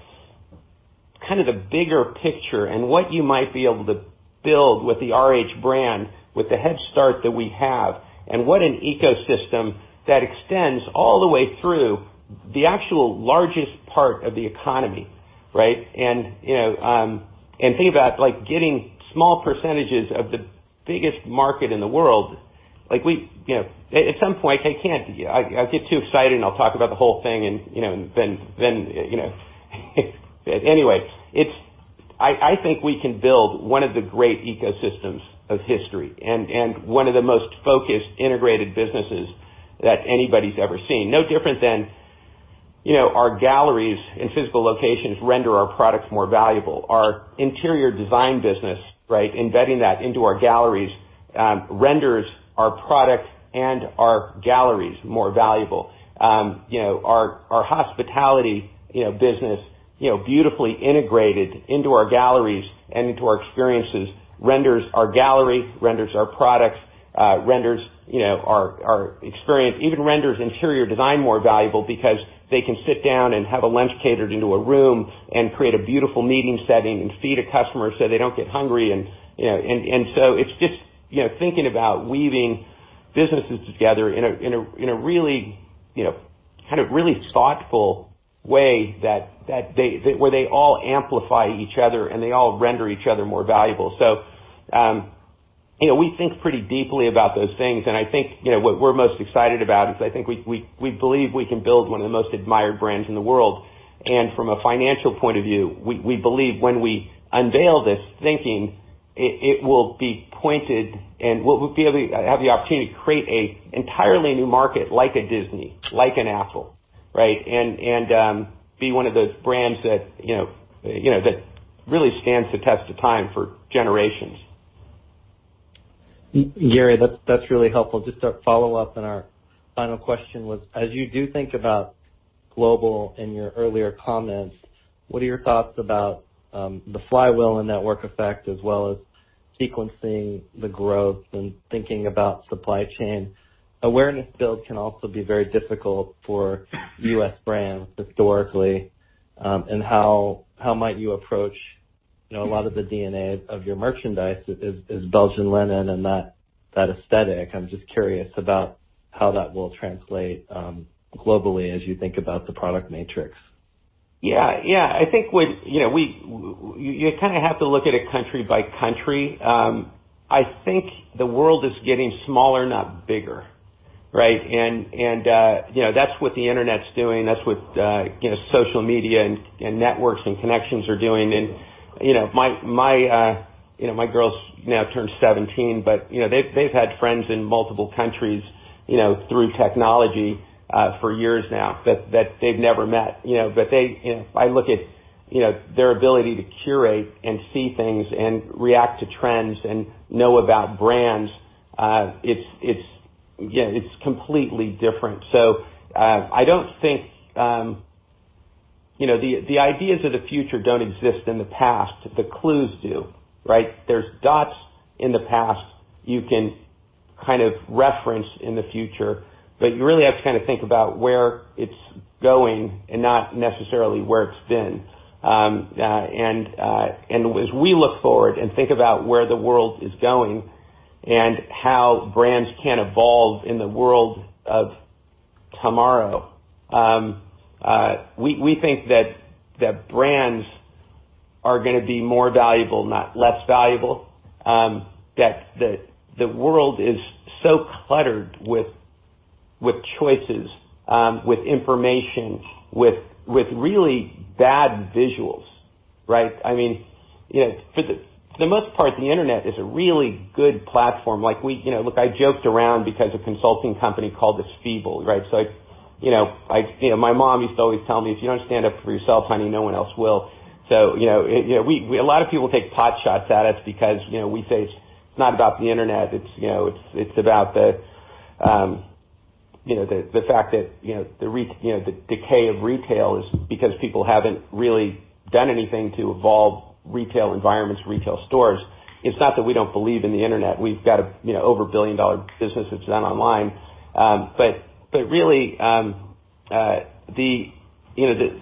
kind of the bigger picture and what you might be able to build with the RH brand, with the head start that we have, and what an ecosystem that extends all the way through the actual largest part of the economy, right? Think about getting small percentages of the biggest market in the world. At some point, I get too excited and I'll talk about the whole thing and then anyway. I think we can build one of the great ecosystems of history and one of the most focused, integrated businesses that anybody's ever seen. No different than our galleries and physical locations render our products more valuable. Our interior design business, embedding that into our galleries, renders our product and our galleries more valuable. Our hospitality business beautifully integrated into our galleries and into our experiences, renders our gallery, renders our products, renders our experience, even renders interior design more valuable because they can sit down and have a lunch catered into a room and create a beautiful meeting setting and feed a customer so they don't get hungry. It's just thinking about weaving businesses together in a really thoughtful way where they all amplify each other and they all render each other more valuable. We think pretty deeply about those things, and I think what we're most excited about is I think we believe we can build one of the most admired brands in the world. From a financial point of view, we believe when we unveil this thinking, it will be pointed and we'll have the opportunity to create an entirely new market like a Disney, like an Apple, right? Be one of those brands that really stands the test of time for generations. Gary, that's really helpful. Just a follow-up and our final question was, as you do think about global in your earlier comments, what are your thoughts about the flywheel and network effect, as well as sequencing the growth and thinking about supply chain? Awareness build can also be very difficult for U.S. brands historically. How might you approach a lot of the DNA of your merchandise is Belgian linen and that aesthetic. I'm just curious about how that will translate globally as you think about the product matrix. Yeah. I think you kind of have to look at it country by country. I think the world is getting smaller, not bigger. Right? That's what the internet's doing. That's what social media and networks and connections are doing. My girl's now turned 17, but they've had friends in multiple countries through technology for years now that they've never met. I look at their ability to curate and see things and react to trends and know about brands, it's completely different. I don't think the ideas of the future don't exist in the past. The clues do, right? There's dots in the past you can kind of reference in the future, but you really have to kind of think about where it's going and not necessarily where it's been. As we look forward and think about where the world is going and how brands can evolve in the world of tomorrow, we think that brands are gonna be more valuable, not less valuable. The world is so cluttered with choices, with information, with really bad visuals, right. I joked around because a consulting company called us feeble, right. My mom used to always tell me, "If you don't stand up for yourself, honey, no one else will." A lot of people take potshots at us because we say it's not about the internet, it's about the fact that the decay of retail is because people haven't really done anything to evolve retail environments, retail stores. It's not that we don't believe in the internet. We've got over a $1 billion business that's done online. Really,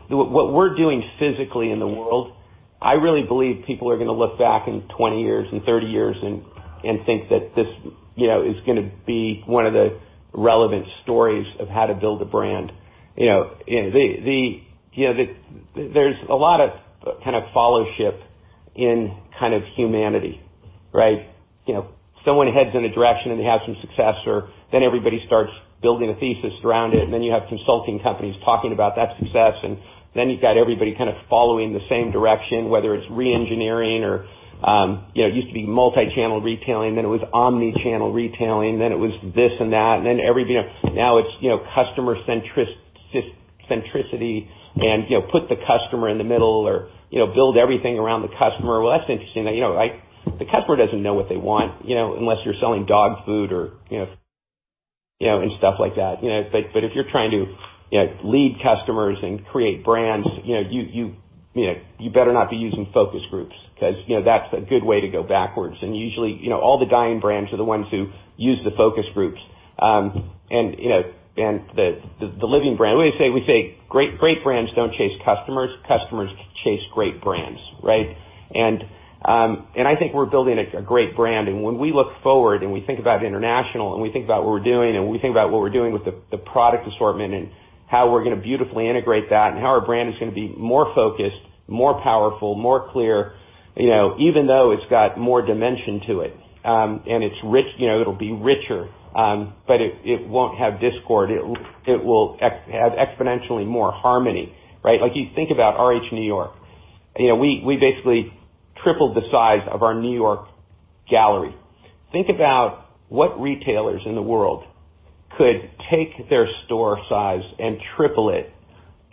what we're doing physically in the world, I really believe people are gonna look back in 20 years and 30 years and think that this is gonna be one of the relevant stories of how to build a brand. There's a lot of kind of followship in kind of humanity, right? Someone heads in a direction and they have some success or then everybody starts building a thesis around it, and then you have consulting companies talking about that success, and then you've got everybody kind of following the same direction, whether it's re-engineering or it used to be multi-channel retailing, then it was omni-channel retailing, then it was this and that, and then now it's customer centricity and put the customer in the middle or build everything around the customer. Well, that's interesting. The customer doesn't know what they want unless you're selling dog food or stuff like that. If you're trying to lead customers and create brands, you better not be using focus groups because that's a good way to go backwards. Usually, all the dying brands are the ones who use the focus groups. We say, "Great brands don't chase customers chase great brands." Right? I think we're building a great brand. When we look forward and we think about international and we think about what we're doing, and we think about what we're doing with the product assortment and how we're going to beautifully integrate that, and how our brand is going to be more focused, more powerful, more clear, even though it's got more dimension to it. It'll be richer, but it won't have discord. It will have exponentially more harmony, right? Like you think about RH New York. We basically tripled the size of our New York gallery. Think about what retailers in the world could take their store size and triple it,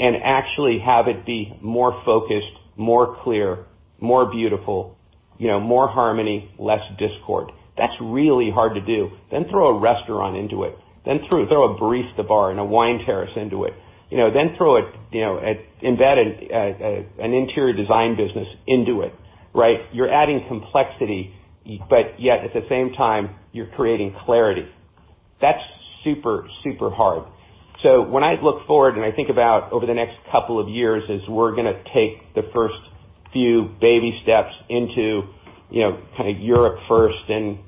actually have it be more focused, more clear, more beautiful, more harmony, less discord. That's really hard to do. Throw a restaurant into it. Throw a barista bar and a wine terrace into it. Embed an interior design business into it, right? You're adding complexity, yet at the same time, you're creating clarity. That's super hard. When I look forward and I think about over the next couple of years as we're going to take the first few baby steps into Europe first and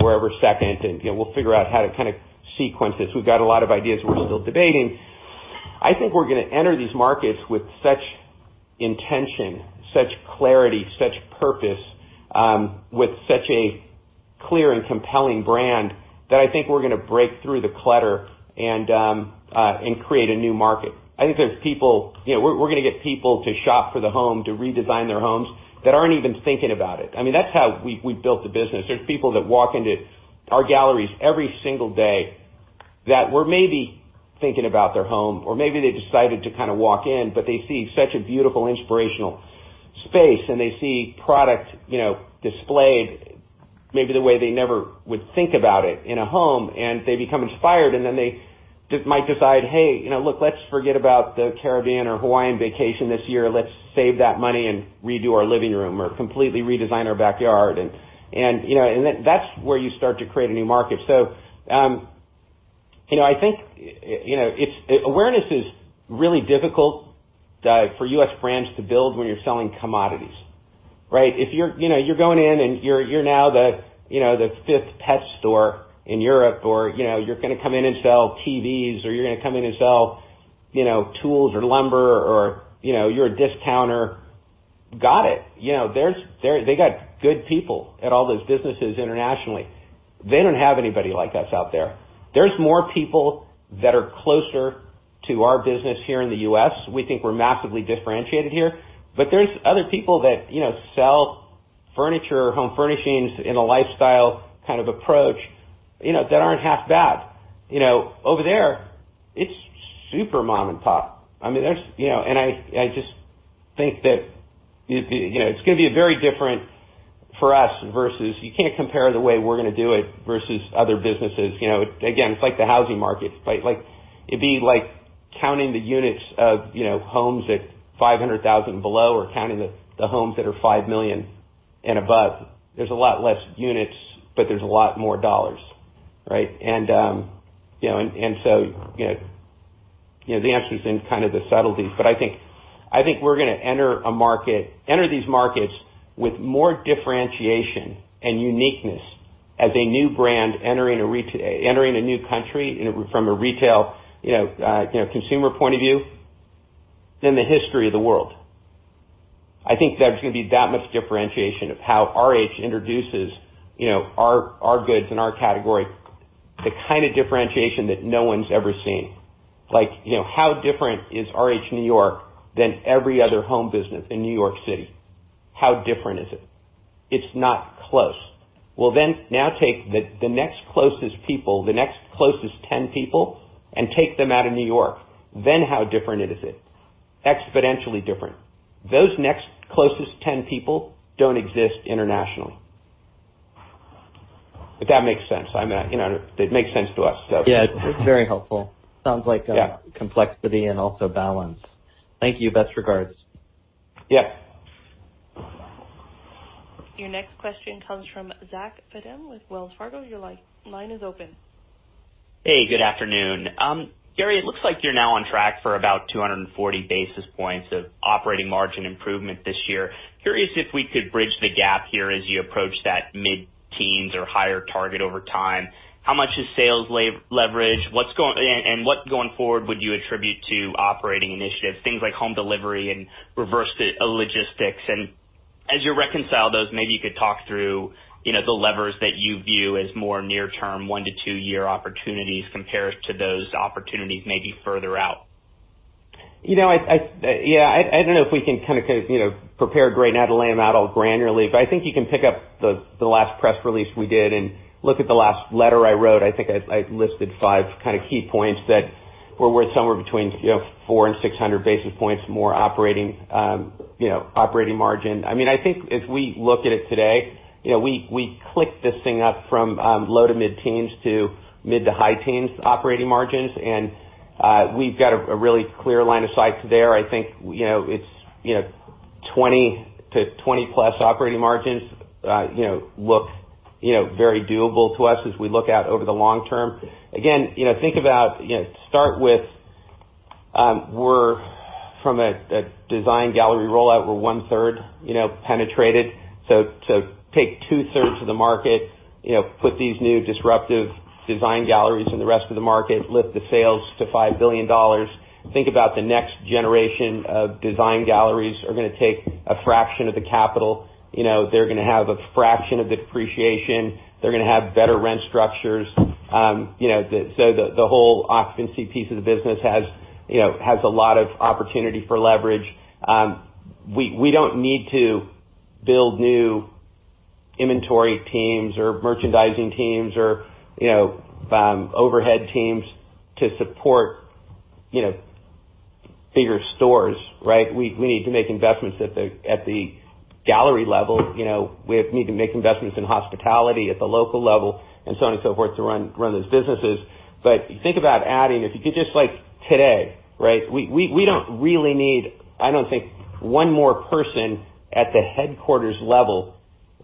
wherever second and we'll figure out how to sequence this. We've got a lot of ideas we're still debating. I think we're going to enter these markets with such intention, such clarity, such purpose, with such a clear and compelling brand, that I think we're going to break through the clutter and create a new market. We're going to get people to shop for the home, to redesign their homes that aren't even thinking about it. That's how we built the business. There's people that walk into our galleries every single day that were maybe thinking about their home, or maybe they decided to walk in, but they see such a beautiful, inspirational space, and they see product displayed maybe the way they never would think about it in a home, and they become inspired, and then they might decide, "Hey, look, let's forget about the Caribbean or Hawaiian vacation this year. Let's save that money and redo our living room or completely redesign our backyard. That's where you start to create a new market. I think awareness is really difficult for U.S. brands to build when you're selling commodities, right? If you're going in and you're now the fifth pet store in Europe or you're going to come in and sell TVs or you're going to come in and sell tools or lumber or you're a discounter. Got it. They got good people at all those businesses internationally. They don't have anybody like us out there. There's more people that are closer to our business here in the U.S. We think we're massively differentiated here. There's other people that sell furniture or home furnishings in a lifestyle kind of approach that aren't half bad. Over there, it's super mom and pop. I just think that it's going to be very different for us versus you can't compare the way we're going to do it versus other businesses. Again, it's like the housing market. It'd be like counting the units of homes at $500,000 below or counting the homes that are $5 million and above. There's a lot less units, but there's a lot more dollars, right. The answer is in kind of the subtleties. I think we're going to enter these markets with more differentiation and uniqueness as a new brand entering a new country from a retail consumer point of view than the history of the world. I think there's going to be that much differentiation of how RH introduces our goods and our category, the kind of differentiation that no one's ever seen. How different is RH N.Y. than every other home business in N.Y. City? How different is it? It's not close. Well, now take the next closest people, the next closest 10 people, and take them out of New York. How different is it? Exponentially different. Those next closest 10 people don't exist internationally. If that makes sense. It makes sense to us. Yeah. It's very helpful. Sounds like. Yeah complexity and also balance. Thank you. Best regards. Yeah. Your next question comes from Zach Fadem with Wells Fargo. Your line is open. Hey, good afternoon. Gary, it looks like you're now on track for about 240 basis points of operating margin improvement this year. Curious if we could bridge the gap here as you approach that mid-teens or higher target over time. How much is sales leverage? What, going forward, would you attribute to operating initiatives, things like home delivery and reverse logistics? As you reconcile those, maybe you could talk through the levers that you view as more near term, 1-2 year opportunities compared to those opportunities maybe further out. I don't know if we can prepare a great ad hoc model granularly. I think you can pick up the last press release we did and look at the last letter I wrote. I think I listed five key points that where we're somewhere between 400 and 600 basis points more operating margin. I think if we look at it today, we clicked this thing up from low to mid-teens to mid to high teens operating margins. We've got a really clear line of sight to there. I think, it's 20% to 20-plus operating margins look very doable to us as we look out over the long term. Think about, start with, we're from a design gallery rollout, we're one-third penetrated. Take two-thirds of the market, put these new disruptive design galleries in the rest of the market, lift the sales to $5 billion. Think about the next generation of design galleries are going to take a fraction of the capital. They're going to have a fraction of the depreciation. They're going to have better rent structures. The whole occupancy piece of the business has a lot of opportunity for leverage. We don't need to build new inventory teams or merchandising teams or overhead teams to support bigger stores, right? We need to make investments at the gallery level. We need to make investments in hospitality at the local level and so on and so forth to run those businesses. Think about adding, if you could just like today, right? We don't really need, I don't think, one more person at the headquarters level.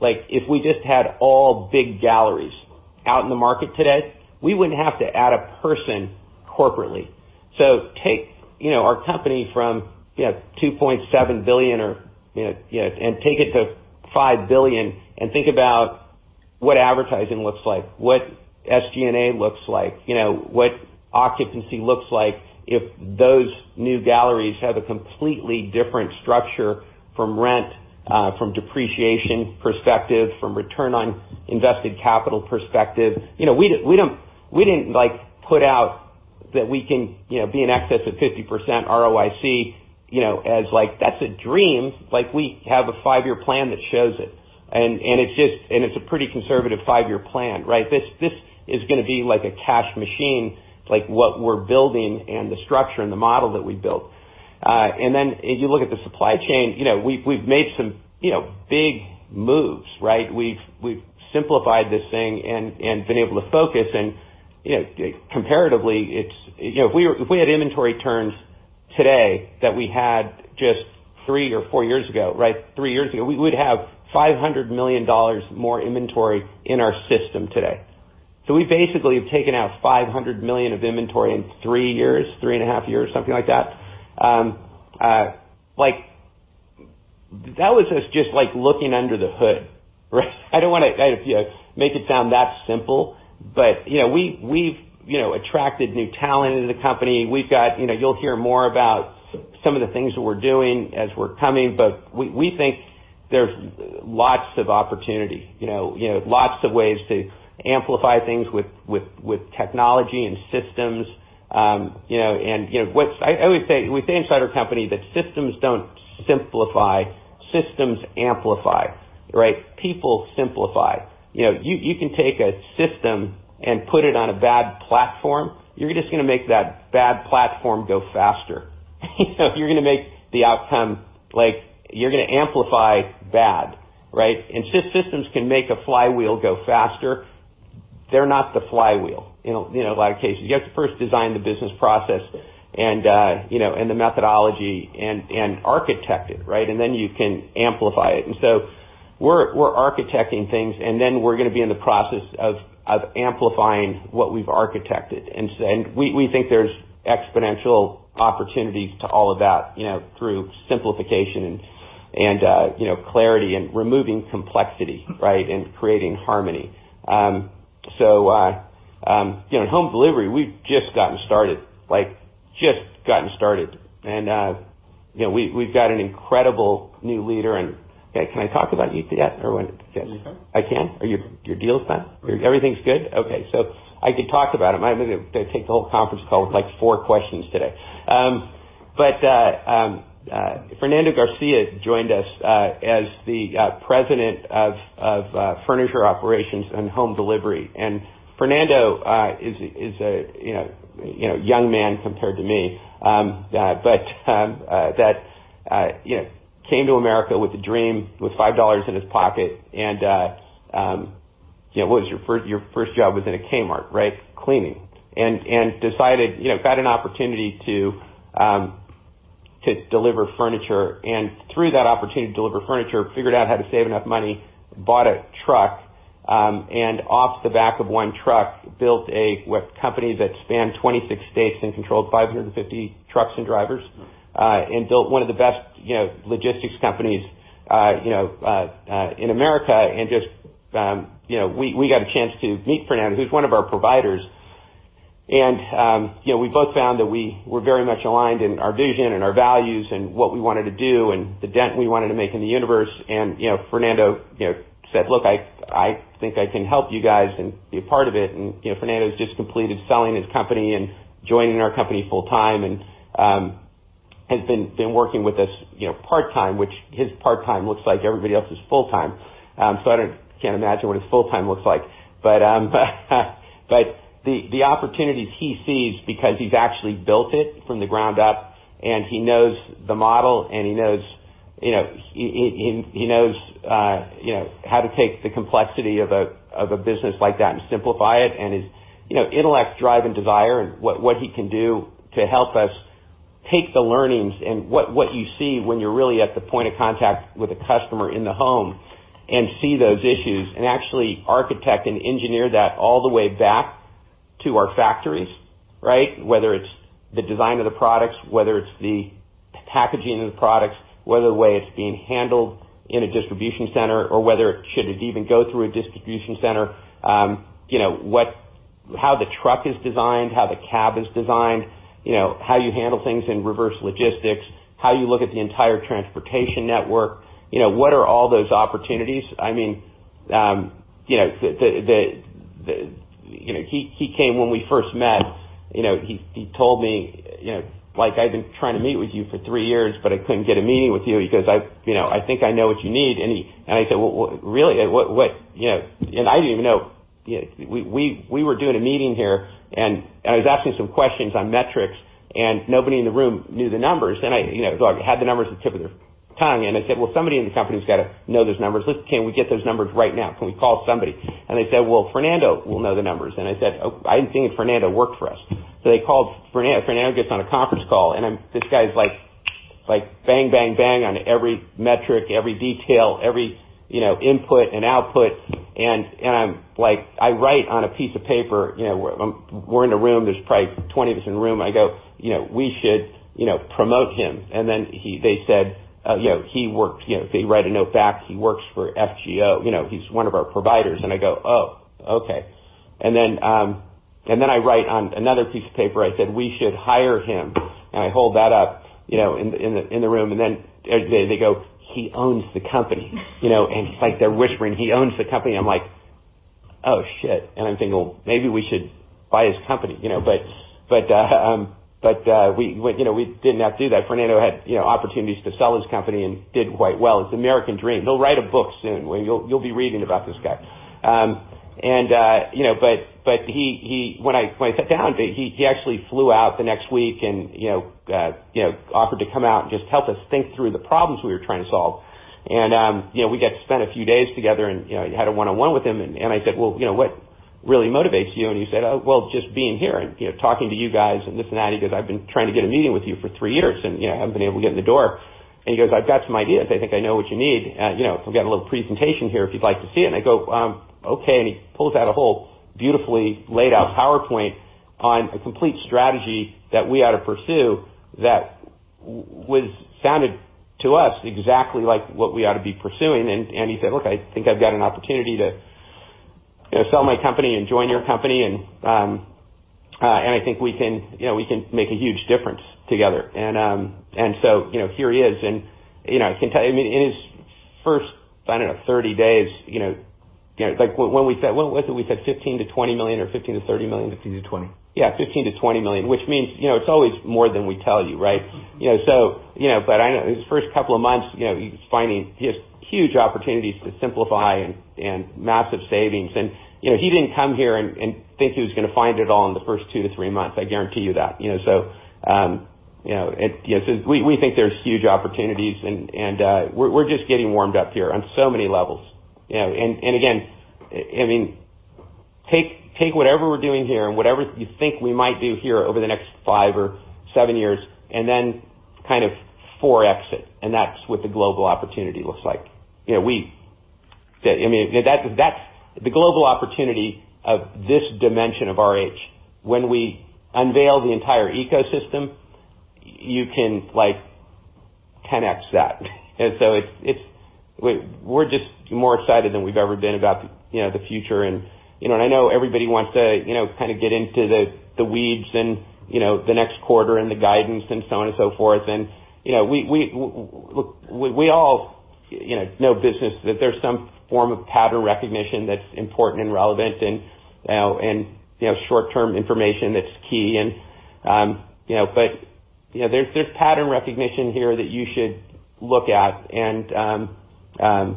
If we just had all big galleries out in the market today, we wouldn't have to add a person corporately. Take our company from $2.7 billion and take it to $5 billion and think about what advertising looks like, what SG&A looks like, what occupancy looks like if those new galleries have a completely different structure from rent, from depreciation perspective, from return on invested capital perspective. We didn't put out that we can be in excess of 50% ROIC as like, that's a dream. We have a five-year plan that shows it. It's a pretty conservative five-year plan, right? This is going to be like a cash machine, what we're building and the structure and the model that we built. Then as you look at the supply chain, we've made some big moves, right? We've simplified this thing and been able to focus and comparatively, if we had inventory turns today that we had just three or four years ago, right? Three years ago, we would have $500 million more inventory in our system today. We basically have taken out $500 million of inventory in three years, three and a half years, something like that. That was us just looking under the hood, right? I don't want to make it sound that simple, but we've attracted new talent into the company. You'll hear more about some of the things that we're doing as we're coming, but we think there's lots of opportunity, lots of ways to amplify things with technology and systems. I always say, we say inside our company that systems don't simplify, systems amplify, right? People simplify. You can take a system and put it on a bad platform. You're just going to make that bad platform go faster. You're going to make the outcome you're going to amplify bad, right? Systems can make a flywheel go faster. They're not the flywheel in a lot of cases. You have to first design the business process and the methodology and architect it, right? Then you can amplify it. We're architecting things, then we're going to be in the process of amplifying what we've architected. We think there's exponential opportunities to all of that through simplification and clarity and removing complexity, right? Creating harmony. In home delivery, we've just gotten started, like just gotten started. We've got an incredible new leader and Can I talk about ETF or when? You can. I can? Are your deals done? Everything's good? Okay. I could talk about it. I'm going to take the whole conference call with like four questions today. Fernando Garcia joined us as the President of Furniture Operations and Home Delivery. Fernando is a young man compared to me. That came to America with a dream, with $5 in his pocket and what was your first job was in a Kmart, right? Cleaning. Got an opportunity to deliver furniture. Through that opportunity to deliver furniture, figured out how to save enough money, bought a truck, and off the back of one truck, built a company that spanned 26 states and controlled 550 trucks and drivers, and built one of the best logistics companies in America. We got a chance to meet Fernando, who's one of our providers. We both found that we were very much aligned in our vision and our values and what we wanted to do and the dent we wanted to make in the universe. Fernando said, "Look, I think I can help you guys and be a part of it." Fernando's just completed selling his company and joining our company full time. He has been working with us part-time, which his part-time looks like everybody else's full-time. I can't imagine what his full-time looks like. The opportunities he sees because he's actually built it from the ground up, and he knows the model. He knows how to take the complexity of a business like that and simplify it, and his intellect, drive, and desire, and what he can do to help us take the learnings and what you see when you're really at the point of contact with a customer in the home and see those issues, and actually architect and engineer that all the way back to our factories, right? Whether it's the design of the products, whether it's the packaging of the products, whether the way it's being handled in a distribution center, or whether should it even go through a distribution center. How the truck is designed, how the cab is designed, how you handle things in reverse logistics, how you look at the entire transportation network, what are all those opportunities? He came when we first met, he told me, "I've been trying to meet with you for three years, but I couldn't get a meeting with you because I think I know what you need." I said, "Well, really?" I didn't even know. We were doing a meeting here, and I was asking some questions on metrics, and nobody in the room knew the numbers. I had the numbers on the tip of their tongue. I said, "Well, somebody in the company's got to know those numbers. Can we get those numbers right now? Can we call somebody?" They said, "Well, Fernando will know the numbers." I said, "Oh." I didn't think Fernando worked for us. They called Fernando. Fernando gets on a conference call, and this guy's like bang, bang on every metric, every detail, every input and output. I'm like, I write on a piece of paper. We're in a room. There's probably 20 of us in a room. I go, "We should promote him." Then they said, they write a note back, "He works for FGO. He's one of our providers." I go, "Oh, okay." I write on another piece of paper, I said, "We should hire him." I hold that up in the room, they go, "He owns the company." It's like they're whispering, "He owns the company." I'm like, "Oh, shit." I'm thinking, "Well, maybe we should buy his company." We did not do that. Fernando had opportunities to sell his company and did quite well. It's the American dream. He'll write a book soon, where you'll be reading about this guy. When I sat down, he actually flew out the next week and offered to come out and just help us think through the problems we were trying to solve. We got to spend a few days together, and I had a one-on-one with him, and I said, "Well, what really motivates you?" He said, "Oh, well, just being here and talking to you guys and this and that," he goes, "I've been trying to get a meeting with you for three years and haven't been able to get in the door." He goes, "I've got some ideas. I think I know what you need. I've got a little presentation here if you'd like to see it." I go, "Okay." He pulls out a whole beautifully laid out PowerPoint on a complete strategy that we ought to pursue that sounded to us exactly like what we ought to be pursuing. He said, "Look, I think I've got an opportunity to sell my company and join your company, and I think we can make a huge difference together." Here he is, and I can tell you, in his first, I don't know, 30 days, what did we say, $15 million-$20 million or $15 million-$30 million? 15 to 20. Yeah, $15 million-$20 million, which means it's always more than we tell you, right? His first couple of months, he was finding just huge opportunities to simplify and massive savings. He didn't come here and think he was going to find it all in the first two to three months, I guarantee you that. We think there's huge opportunities, and we're just getting warmed up here on so many levels. Again, take whatever we're doing here and whatever you think we might do here over the next five or seven years, then kind of 4x it, and that's what the global opportunity looks like. The global opportunity of this dimension of RH, when we unveil the entire ecosystem, you can 10x that. We're just more excited than we've ever been about the future. I know everybody wants to kind of get into the weeds and the next quarter and the guidance and so on and so forth. We all know business, that there's some form of pattern recognition that's important and relevant and short-term information that's key. There's pattern recognition here that you should look at, and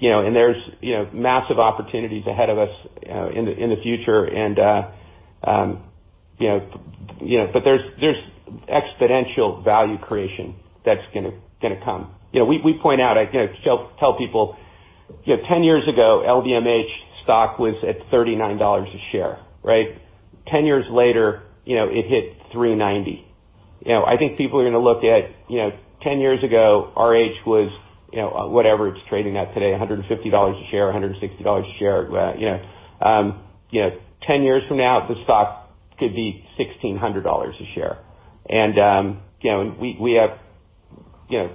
there's massive opportunities ahead of us in the future. There's exponential value creation that's going to come. We point out, I tell people, 10 years ago, LVMH stock was at $39 a share, right? 10 years later, it hit $390. I think people are going to look at 10 years ago, RH was whatever it's trading at today, $150 a share, $160 a share. 10 years from now, the stock could be $1,600 a share. We have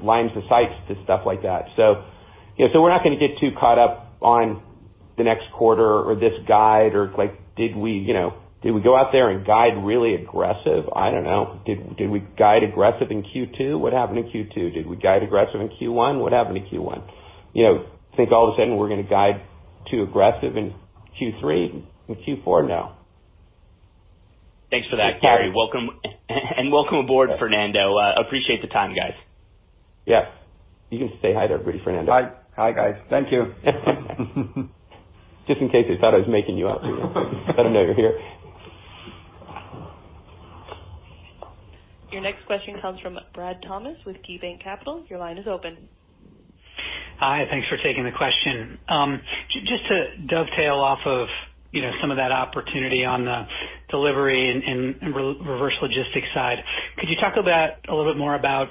lines to sites to stuff like that. We're not going to get too caught up on the next quarter or this guide or did we go out there and guide really aggressive? I don't know. Did we guide aggressive in Q2? What happened in Q2? Did we guide aggressive in Q1? What happened in Q1? Think all of a sudden we're going to guide too aggressive in Q3 and Q4? No. Thanks for that, Gary. Welcome. Welcome aboard, Fernando. Appreciate the time, guys. Yeah. You can say hi to everybody, Fernando. Hi, guys. Thank you. Just in case you thought I was making you up. Let them know you're here. Your next question comes from Brad Thomas with KeyBanc Capital. Your line is open. Hi. Thanks for taking the question. Just to dovetail off of some of that opportunity on the delivery and reverse logistics side, could you talk a little bit more about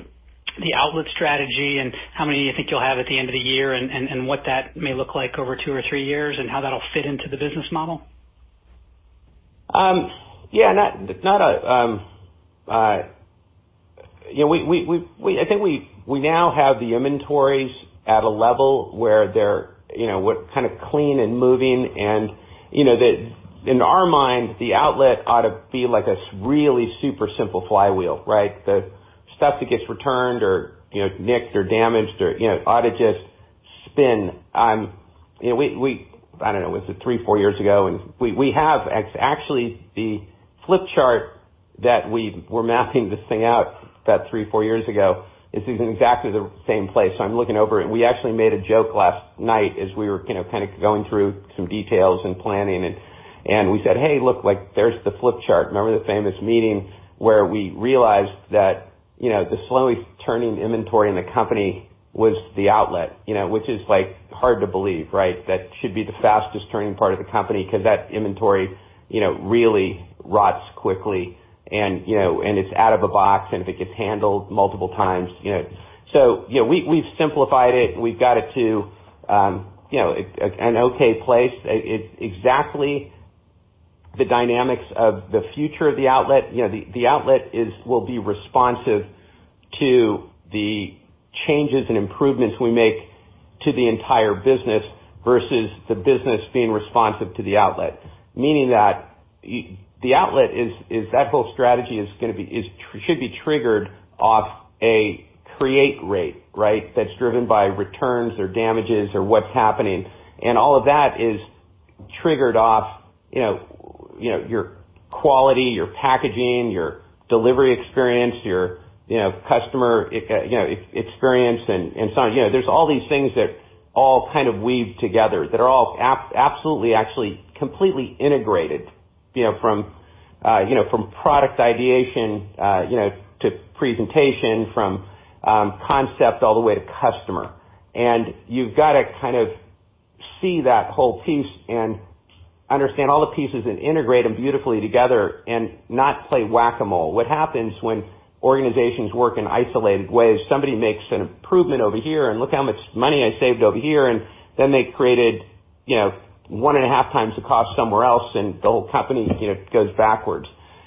the outlet strategy and how many you think you'll have at the end of the year, and what that may look like over two or three years, and how that'll fit into the business model? Yeah. I think we now have the inventories at a level where they're kind of clean and moving. In our mind, the outlet ought to be like a really super simple flywheel, right? The stuff that gets returned or nicked or damaged ought to just spin. I don't know. Was it three, four years ago? We have, actually, the flip chart that we were mapping this thing out about three, four years ago is in exactly the same place. I'm looking over it, and we actually made a joke last night as we were kind of going through some details and planning, and we said, "Hey, look, there's the flip chart. Remember the famous meeting where we realized that the slowly turning inventory in the company was the outlet?" Which is hard to believe. That should be the fastest turning part of the company because that inventory really rots quickly, and it's out of a box, and if it gets handled multiple times. We've simplified it, and we've got it to an okay place. Exactly the dynamics of the future of the outlet. The outlet will be responsive to the changes and improvements we make to the entire business versus the business being responsive to the outlet. Meaning that whole strategy should be triggered off a create rate, right? That's driven by returns or damages or what's happening. All of that is triggered off your quality, your packaging, your delivery experience, your customer experience, and so on. There's all these things that all kind of weave together that are all absolutely, actually completely integrated from product ideation to presentation, from concept all the way to customer. You've got to kind of see that whole piece and understand all the pieces and integrate them beautifully together and not play Whac-A-Mole. What happens when organizations work in isolated ways, somebody makes an improvement over here, and look how much money I saved over here, and then they created one and a half times the cost somewhere else, and the whole company goes backwards.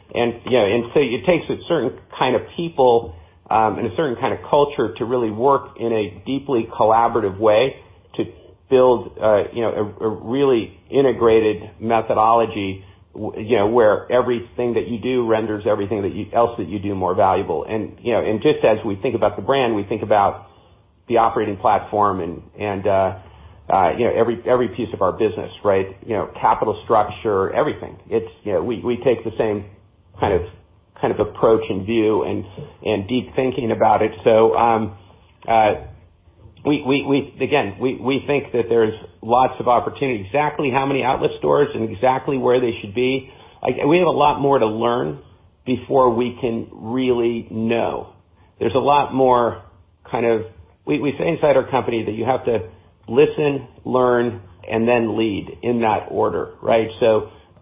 It takes a certain kind of people and a certain kind of culture to really work in a deeply collaborative way to build a really integrated methodology, where everything that you do renders everything else that you do more valuable. Just as we think about the brand, we think about the operating platform and every piece of our business. Capital structure, everything. We take the same kind of approach and view and deep thinking about it. Again, we think that there's lots of opportunity. Exactly how many outlet stores and exactly where they should be, we have a lot more to learn before we can really know. We say inside our company that you have to listen, learn, and then lead, in that order, right?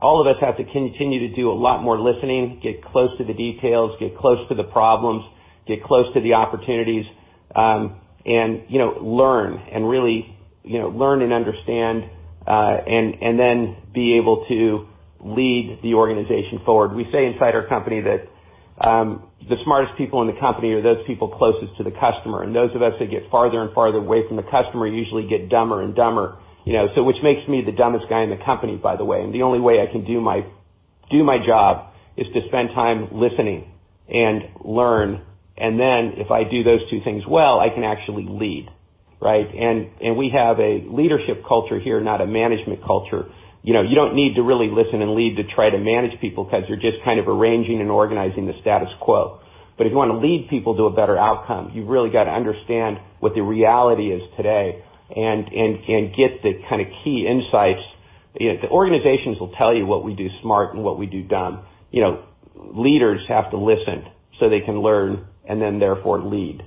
All of us have to continue to do a lot more listening, get close to the details, get close to the problems, get close to the opportunities, and learn and understand, and then be able to lead the organization forward. We say inside our company that the smartest people in the company are those people closest to the customer, and those of us that get farther and farther away from the customer usually get dumber and dumber. Which makes me the dumbest guy in the company, by the way. The only way I can do my job is to spend time listening and learn. If I do those two things well, I can actually lead. We have a leadership culture here, not a management culture. You don't need to really listen and lead to try to manage people because you're just kind of arranging and organizing the status quo. If you want to lead people to a better outcome, you've really got to understand what the reality is today and get the kind of key insights. The organizations will tell you what we do smart and what we do dumb. Leaders have to listen so they can learn and then therefore lead.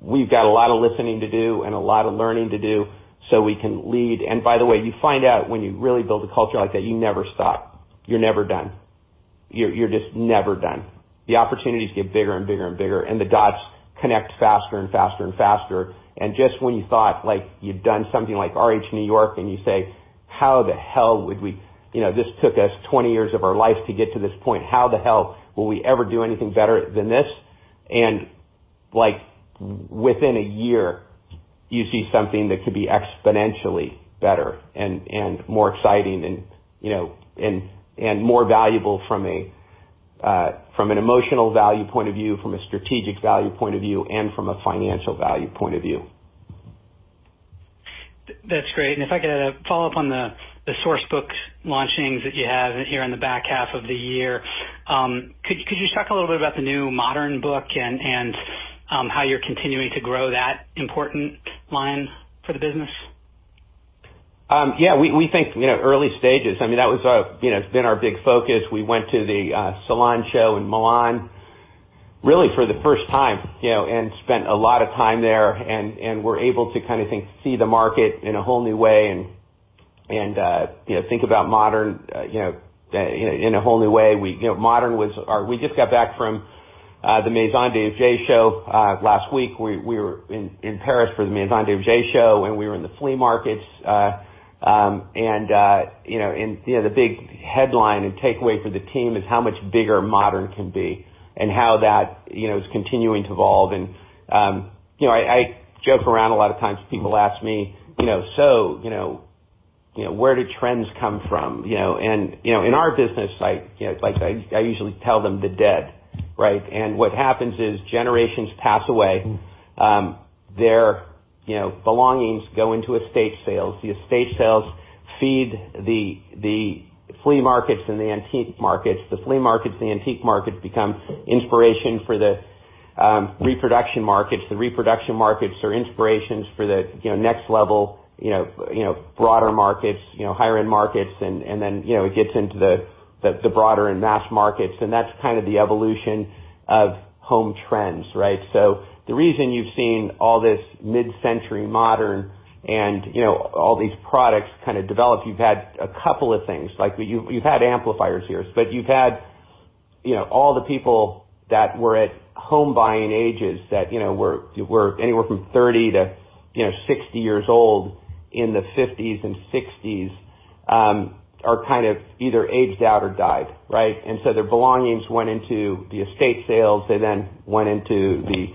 We've got a lot of listening to do and a lot of learning to do so we can lead. By the way, you find out when you really build a culture like that, you never stop. You're never done. You're just never done. The opportunities get bigger and bigger and bigger, and the dots connect faster and faster and faster. Just when you thought you'd done something like RH New York and you say, "This took us 20 years of our life to get to this point. How the hell will we ever do anything better than this?" Within a year, you see something that could be exponentially better and more exciting and more valuable from an emotional value point of view, from a strategic value point of view, and from a financial value point of view. That's great. If I could follow up on the Source Book launchings that you have here in the back half of the year. Could you just talk a little bit about the new Modern book and how you're continuing to grow that important line for the business? We think, early stages, it's been our big focus. We went to the Salon Show in Milan really for the first time, and spent a lot of time there, and were able to kind of see the market in a whole new way and think about modern in a whole new way. We just got back from the Maison&Objet show last week. We were in Paris for the Maison&Objet show, and we were in the flea markets. The big headline and takeaway for the team is how much bigger modern can be and how that is continuing to evolve. I joke around a lot of times when people ask me, "So, where do trends come from?" In our business, I usually tell them the dead, right? What happens is, generations pass away, their belongings go into estate sales. The estate sales feed the flea markets and the antique markets. The flea markets and the antique markets become inspiration for the reproduction markets. The reproduction markets are inspirations for the next level, broader markets, higher-end markets, and then, it gets into the broader and mass markets. That's kind of the evolution of home trends, right? The reason you've seen all this mid-century modern and all these products kind of develop, you've had a couple of things. You've had amplifiers here. You've had all the people that were at home buying ages, that were anywhere from 30 to 60 years old in the '50s and '60s, are kind of either aged out or died, right? Their belongings went into the estate sales. They then went into the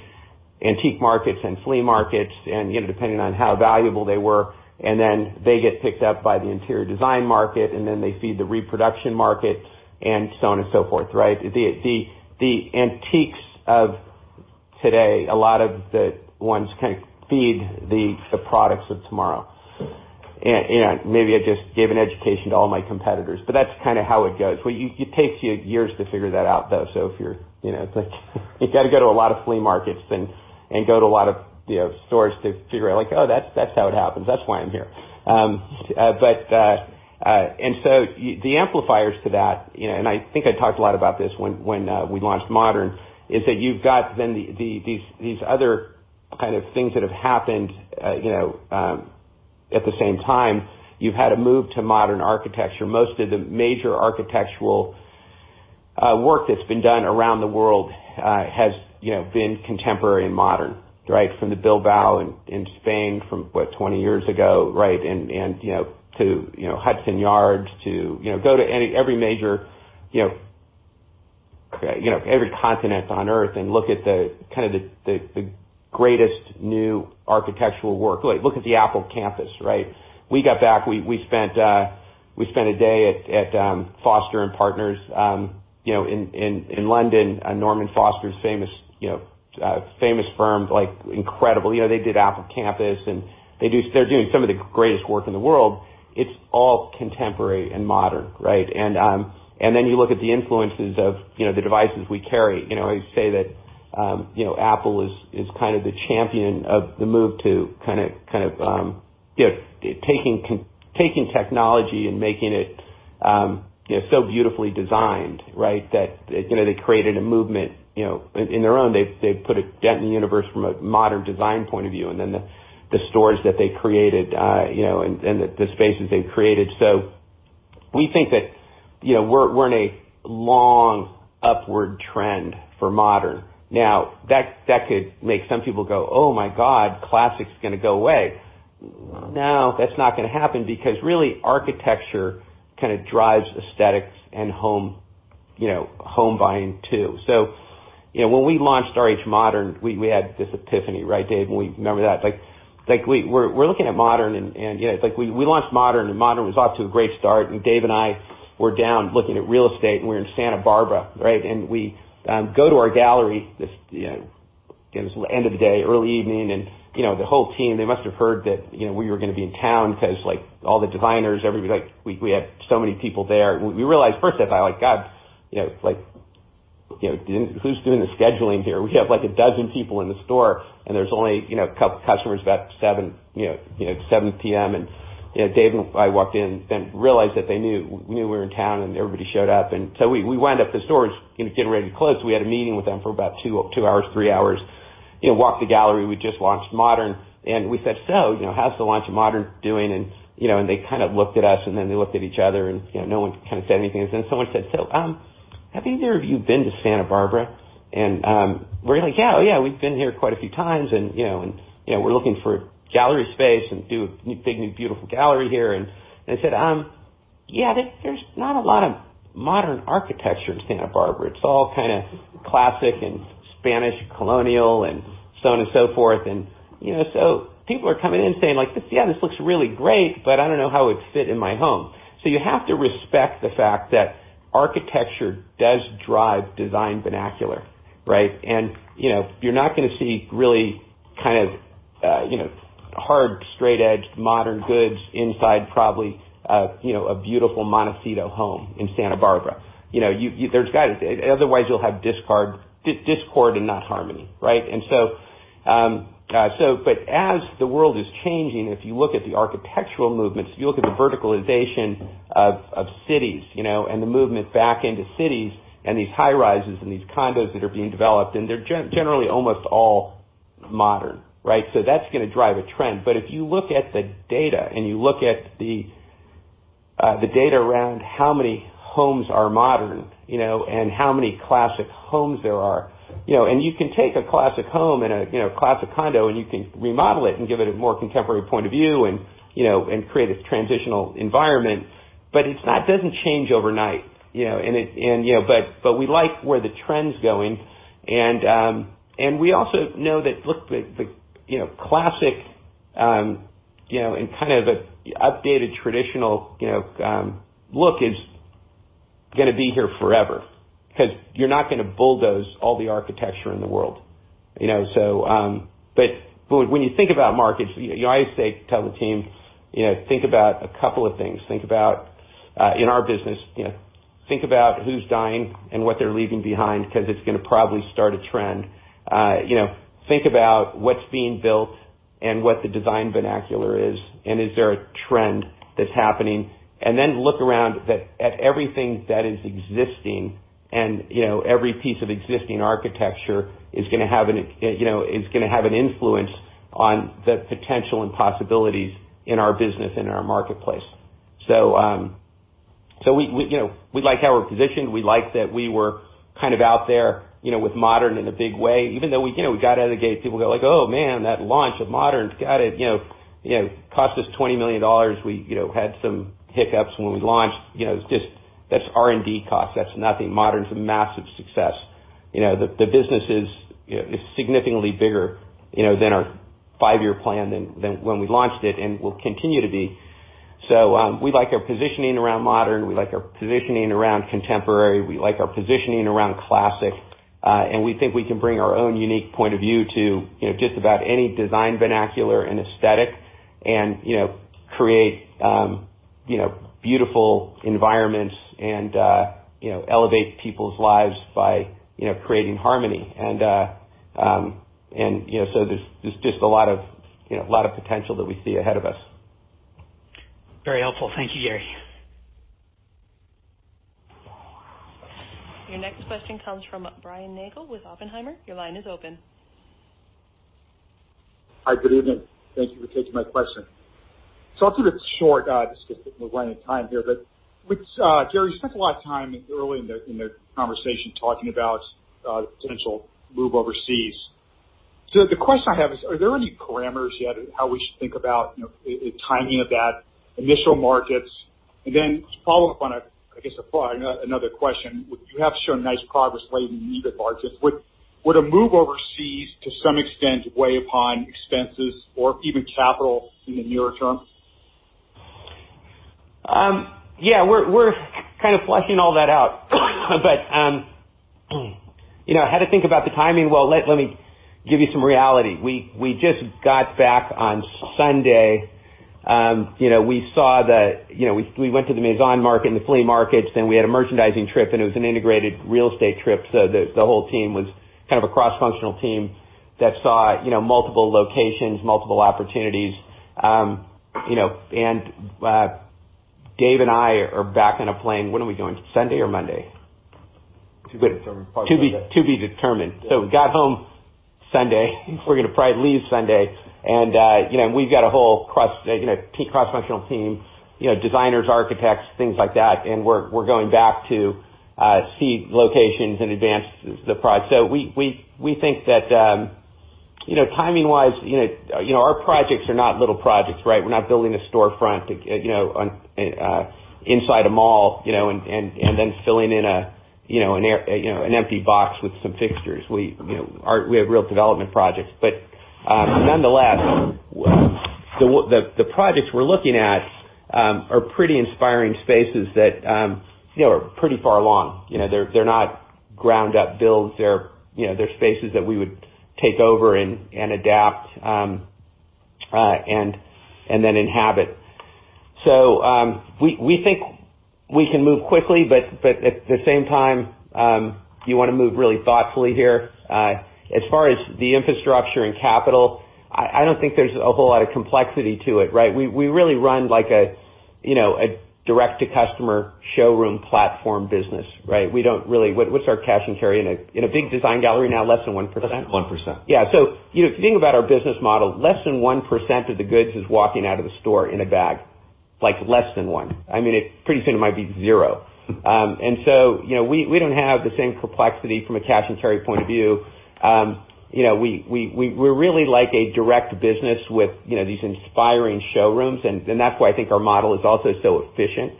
antique markets and flea markets, and depending on how valuable they were, and then they get picked up by the interior design market, and then they feed the reproduction market, and so on and so forth, right? The antiques of today, a lot of the ones kind of feed the products of tomorrow. Maybe I just gave an education to all my competitors, but that's kind of how it goes. It takes you years to figure that out, though. You've got to go to a lot of flea markets and go to a lot of stores to figure out, like, "Oh, that's how it happens. That's why I'm here. The amplifiers to that, and I think I talked a lot about this when we launched RH Modern, is that you've got then these other kind of things that have happened at the same time. You've had a move to modern architecture. Most of the major architectural work that's been done around the world has been contemporary and modern. From the Bilbao in Spain from, what, 20 years ago, right, to Hudson Yards, go to every continent on Earth and look at the greatest new architectural work. Look at the Apple campus. We got back, we spent a day at Foster + Partners in London, Norman Foster's famous firm, incredible. They did Apple campus, and they're doing some of the greatest work in the world. It's all contemporary and modern, right? You look at the influences of the devices we carry. I say that Apple is kind of the champion of the move to taking technology and making it so beautifully designed. That they created a movement in their own. They put a dent in the universe from a modern design point of view, and then the stores that they created, and the spaces they've created. We think that we're in a long upward trend for modern. Now, that could make some people go, "Oh my God, classic's going to go away." No, that's not going to happen because really, architecture kind of drives aesthetics and home buying, too. When we launched RH Modern, we had this epiphany, right, Dave? We remember that. We're looking at Modern, and it's like we launched Modern, and Modern was off to a great start, and Dave and I were down looking at real estate, and we were in Santa Barbara. We go to our gallery, it was end of the day, early evening, and the whole team, they must have heard that we were going to be in town because all the designers, everybody, we had so many people there. We realized first that like, "God," like, "Who's doing the scheduling here? We have a dozen people in the store, and there's only a couple customers," about 7:00 P.M. Dave and I walked in and realized that they knew we were in town, and everybody showed up. We wind up, the store is getting ready to close. We had a meeting with them for about two hours, three hours. Walked the gallery. We just launched RH Modern. We said, "So, how's the launch of RH Modern doing?" They kind of looked at us, and then they looked at each other, and no one kind of said anything. Someone said, "So, have either of you been to Santa Barbara?" We're like, "Yeah. We've been here quite a few times, and we're looking for gallery space and do a big, new, beautiful gallery here." They said, "Yeah, there's not a lot of modern architecture in Santa Barbara. It's all kind of classic and Spanish colonial and so on and so forth." People are coming in saying, like, "Yeah, this looks really great, but I don't know how it would fit in my home." You have to respect the fact that architecture does drive design vernacular. Right. You're not going to see really hard, straight-edged modern goods inside probably a beautiful Montecito home in Santa Barbara. Otherwise, you'll have discord and not harmony, right? As the world is changing, if you look at the architectural movements, you look at the verticalization of cities and the movement back into cities and these high-rises and these condos that are being developed, and they're generally almost all modern, right? That's going to drive a trend. If you look at the data, and you look at the data around how many homes are modern and how many classic homes there are. You can take a classic home and a classic condo, and you can remodel it and give it a more contemporary point of view and create a transitional environment. It doesn't change overnight. We like where the trend's going, and we also know that, look, the classic and kind of an updated traditional look is going to be here forever, because you're not going to bulldoze all the architecture in the world. When you think about markets, I tell the team, think about a couple of things. In our business, think about who's dying and what they're leaving behind, because it's going to probably start a trend. Think about what's being built and what the design vernacular is, and is there a trend that's happening. Look around at everything that is existing and every piece of existing architecture is going to have an influence on the potential and possibilities in our business and in our marketplace. We like how we're positioned. We like that we were kind of out there with modern in a big way, even though we got out of the gate, people go like, "Oh, man, that launch of modern's got to cost us $20 million." We had some hiccups when we launched. That's R&D cost. That's nothing. Modern's a massive success. The business is significantly bigger than our five-year plan than when we launched it and will continue to be. We like our positioning around modern, we like our positioning around contemporary, we like our positioning around classic. We think we can bring our own unique point of view to just about any design vernacular and aesthetic and create beautiful environments and elevate people's lives by creating harmony. There's just a lot of potential that we see ahead of us. Very helpful. Thank you, Gary. Your next question comes from Brian Nagel with Oppenheimer. Your line is open. Hi. Good evening. Thank you for taking my question. I'll keep it short, just because we're running out of time here. Gary, you spent a lot of time early in the conversation talking about a potential move overseas. The question I have is, are there any parameters yet how we should think about the timing of that, initial markets? To follow up on, I guess, another question, you have shown nice progress lately in EBIT margins. Would a move overseas, to some extent, weigh upon expenses or even capital in the near term? Yeah, we're kind of fleshing all that out. How to think about the timing, well, let me give you some reality. We just got back on Sunday. We went to the Maison market and the flea markets. We had a merchandising trip. It was an integrated real estate trip. The whole team was kind of a cross-functional team that saw multiple locations, multiple opportunities. Dave and I are back on a plane. When are we going, Sunday or Monday? To be determined. To be determined. We got home Sunday. We're going to probably leave Sunday. We've got a whole cross-functional team, designers, architects, things like that, and we're going back to see locations and advance the project. We think that timing-wise, our projects are not little projects, right? We're not building a storefront inside a mall, and then filling in an empty box with some fixtures. We have real development projects. Nonetheless, the projects we're looking at are pretty inspiring spaces that are pretty far along. They're not ground-up builds. They're spaces that we would take over and adapt and then inhabit. We think we can move quickly, but at the same time, you want to move really thoughtfully here. As far as the infrastructure and capital, I don't think there's a whole lot of complexity to it, right? We really run a direct-to-customer showroom platform business, right? What's our cash and carry in a big design gallery now, less than 1%? 1%. Yeah. If you think about our business model, less than 1% of the goods is walking out of the store in a bag, like less than one. Pretty soon it might be zero. We don't have the same complexity from a cash and carry point of view. We're really like a direct business with these inspiring showrooms, and that's why I think our model is also so efficient.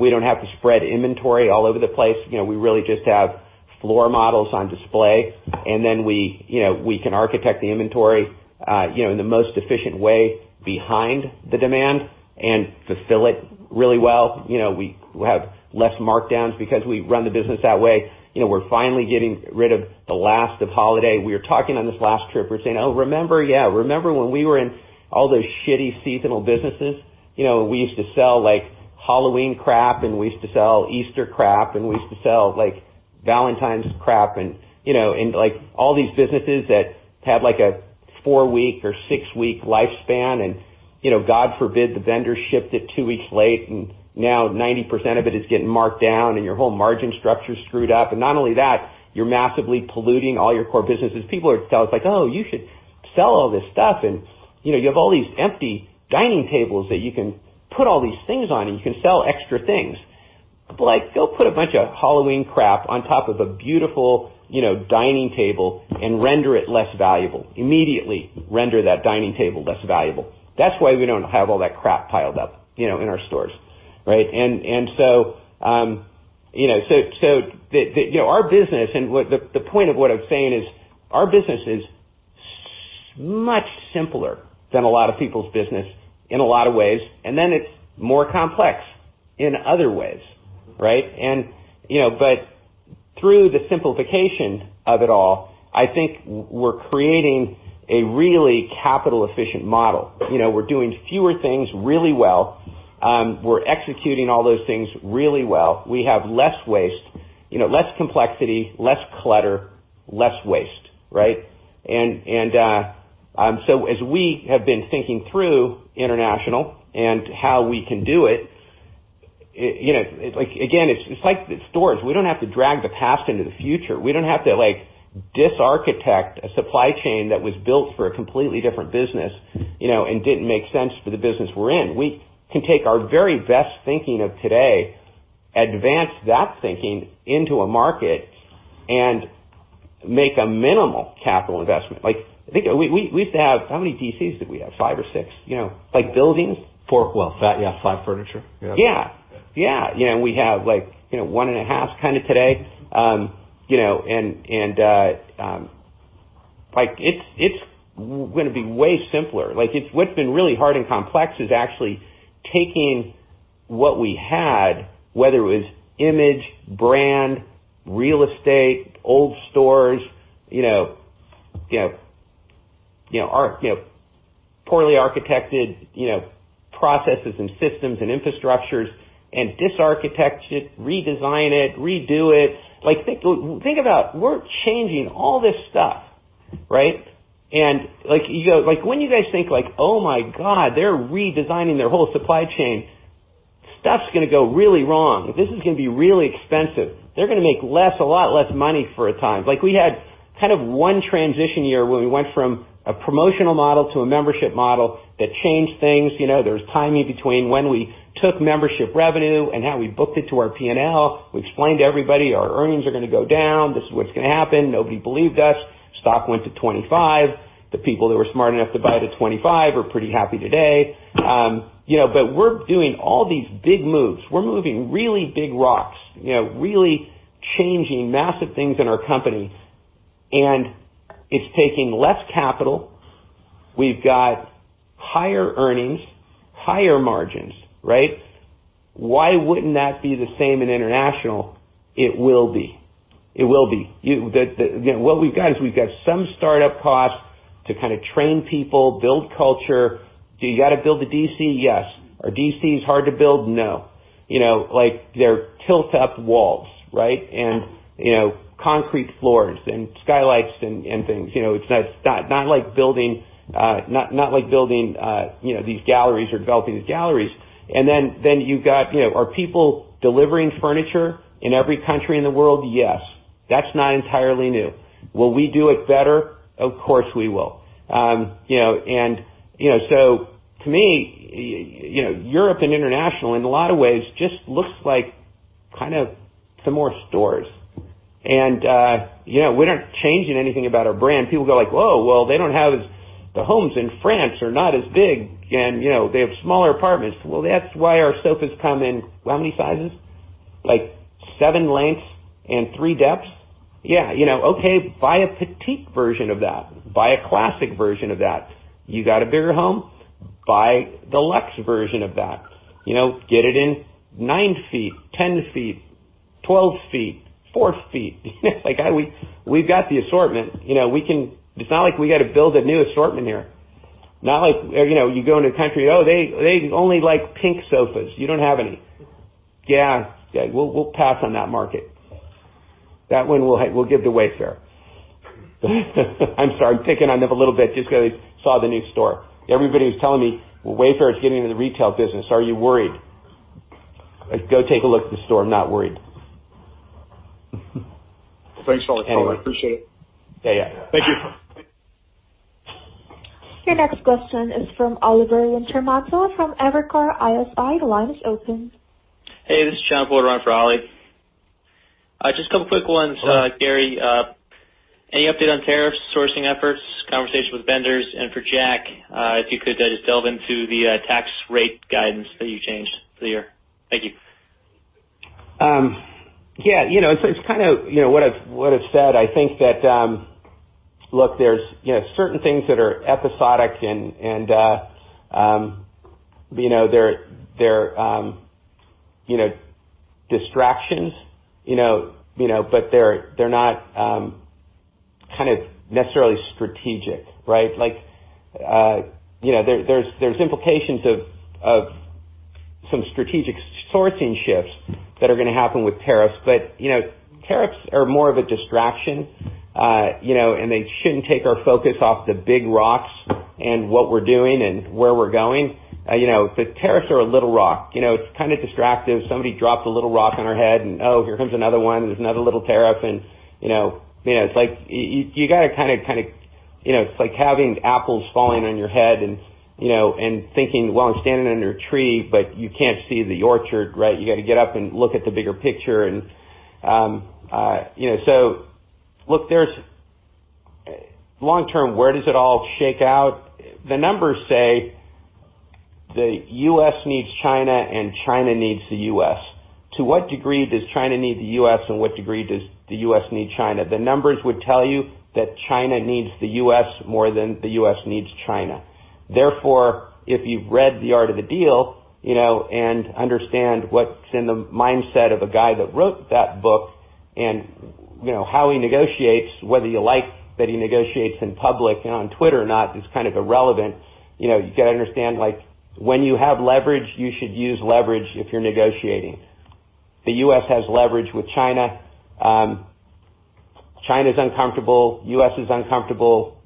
We don't have to spread inventory all over the place. We really just have floor models on display. We can architect the inventory in the most efficient way behind the demand and fulfill it really well. We have less markdowns because we run the business that way. We're finally getting rid of the last of holiday. We were talking on this last trip, we were saying, "Oh, remember when we were in all those shitty seasonal businesses? We used to sell Halloween crap, and we used to sell Easter crap, and we used to sell Valentine's crap." All these businesses that had a four-week or six-week lifespan, and God forbid the vendor shipped it two weeks late, and now 90% of it is getting marked down, and your whole margin structure is screwed up. Not only that, you're massively polluting all your core businesses. People would tell us, like, "Oh, you should sell all this stuff. You have all these empty dining tables that you can put all these things on, and you can sell extra things." Like, go put a bunch of Halloween crap on top of a beautiful dining table and render it less valuable. Immediately render that dining table less valuable. That's why we don't have all that crap piled up in our stores. Right? Our business, and the point of what I'm saying is our business is much simpler than a lot of people's business in a lot of ways, and then it's more complex in other ways. Right? Through the simplification of it all, I think we're creating a really capital-efficient model. We're doing fewer things really well. We're executing all those things really well. We have less waste, less complexity, less clutter, less waste. Right? As we have been thinking through international and how we can do it, again, it's like stores. We don't have to drag the past into the future. We don't have to dis-architect a supply chain that was built for a completely different business and didn't make sense for the business we're in. We can take our very best thinking of today, advance that thinking into a market, and make a minimal capital investment. How many DCs did we have? Five or six buildings? Four. Well, yeah, five furniture. Yeah. Yeah. We have one and a half kind of today. It's going to be way simpler. What's been really hard and complex is actually taking what we had, whether it was image, brand, real estate, old stores, poorly architected processes and systems and infrastructures, and dis-architect it, redesign it, redo it. Think about it. We're changing all this stuff, right? When you guys think, "Oh, my God, they're redesigning their whole supply chain. Stuff's going to go really wrong. This is going to be really expensive. They're going to make a lot less money for a time." We had kind of one transition year where we went from a promotional model to a membership model that changed things. There was timing between when we took membership revenue and how we booked it to our P&L. We explained to everybody our earnings are going to go down. This is what's going to happen. Nobody believed us. Stock went to 25. The people that were smart enough to buy at 25 are pretty happy today. We're doing all these big moves. We're moving really big rocks, really changing massive things in our company, and it's taking less capital. We've got higher earnings, higher margins, right? Why wouldn't that be the same in international? It will be. What we've got is we've got some startup costs to kind of train people, build culture. Do you got to build a DC? Yes. Are DCs hard to build? No. They're tilt-up walls, right? Concrete floors and skylights and things. It's not like building these galleries or developing these galleries. You've got are people delivering furniture in every country in the world? Yes. That's not entirely new. Will we do it better? Of course, we will. To me, Europe and international in a lot of ways just looks like kind of some more stores. We're not changing anything about our brand. People go like, "Whoa, well, the homes in France are not as big, and they have smaller apartments." Well, that's why our sofas come in how many sizes? Like seven lengths and three depths. Yeah. Okay, buy a petite version of that. Buy a classic version of that. You got a bigger home? Buy the luxe version of that. Get it in nine feet, 10 feet, 12 feet, four feet. We've got the assortment. It's not like we got to build a new assortment here. Not like you go into a country, "Oh, they only like pink sofas. You don't have any." Yeah. We'll pass on that market. That one we'll give to Wayfair. I'm sorry, I'm picking on them a little bit just because I saw the new store. Everybody was telling me, "Wayfair is getting into the retail business. Are you worried?" Go take a look at the store. I'm not worried. Thanks a lot, Paul. I appreciate it. Yeah. Thank you. Your next question is from Oliver Wintermantel from Evercore ISI. The line is open. Hey, this is John-Paul. On for Ollie. Just a couple of quick ones, Gary. Any update on tariffs, sourcing efforts, conversation with vendors? For Jack, if you could just delve into the tax rate guidance that you changed for the year. Thank you. Yeah. It's kind of what I've said. I think that there's certain things that are episodic, and they're distractions, but they're not necessarily strategic, right? There's implications of some strategic sourcing shifts that are going to happen with tariffs. Tariffs are more of a distraction, and they shouldn't take our focus off the big rocks and what we're doing and where we're going. The tariffs are a little rock. It's kind of distractive. Somebody dropped a little rock on our head, and oh, here comes another one. There's another little tariff, and it's like having apples falling on your head and thinking, well, I'm standing under a tree, but you can't see the orchard, right? You got to get up and look at the bigger picture. Look, long term, where does it all shake out? The numbers say the U.S. needs China, and China needs the U.S. To what degree does China need the U.S., and what degree does the U.S. need China? The numbers would tell you that China needs the U.S. more than the U.S. needs China. If you've read "The Art of the Deal" and understand what's in the mindset of a guy that wrote that book and how he negotiates, whether you like that he negotiates in public and on Twitter or not is kind of irrelevant. You got to understand, when you have leverage, you should use leverage if you're negotiating. The U.S. has leverage with China. China's uncomfortable. U.S. is uncomfortable.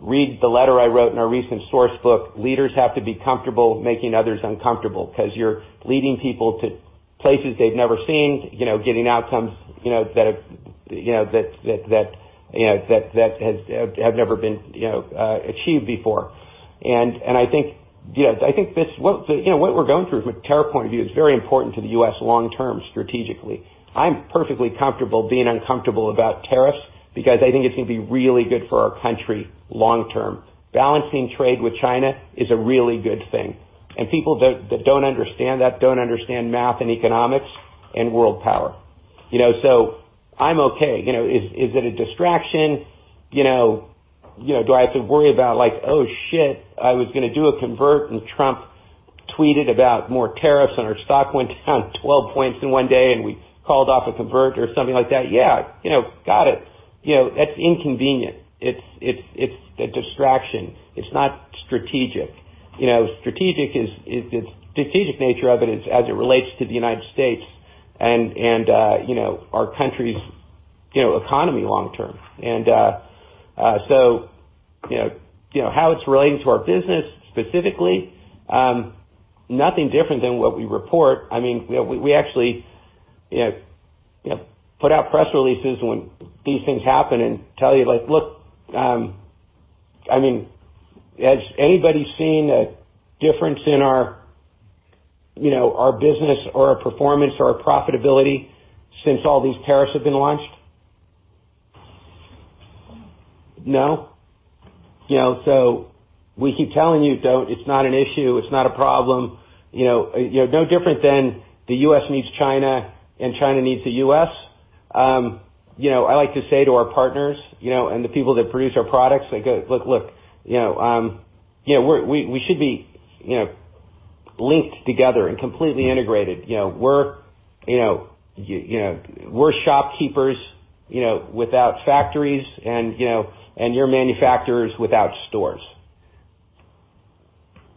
Read the letter I wrote in our recent source book. Leaders have to be comfortable making others uncomfortable because you're leading people to places they've never seen, getting outcomes that have never been achieved before. I think what we're going through from a tariff point of view is very important to the U.S. long term strategically. I'm perfectly comfortable being uncomfortable about tariffs because I think it's going to be really good for our country long term. Balancing trade with China is a really good thing. People that don't understand that don't understand math and economics and world power. I'm okay. Is it a distraction? Do I have to worry about like, oh, shit, I was going to do a convert and Trump tweeted about more tariffs, and our stock went down 12 points in one day, and we called off a convert or something like that? Yeah. Got it. That's inconvenient. It's a distraction. It's not strategic. The strategic nature of it is as it relates to the United States and our country's economy long term. How it's relating to our business specifically, nothing different than what we report. We actually put out press releases when these things happen and tell you, look, has anybody seen a difference in our business or our performance or our profitability since all these tariffs have been launched? No. We keep telling you it's not an issue, it's not a problem. No different than the U.S. needs China and China needs the U.S. I like to say to our partners, and the people that produce our products, I go, look, we should be linked together and completely integrated. We're shopkeepers without factories, and you're manufacturers without stores.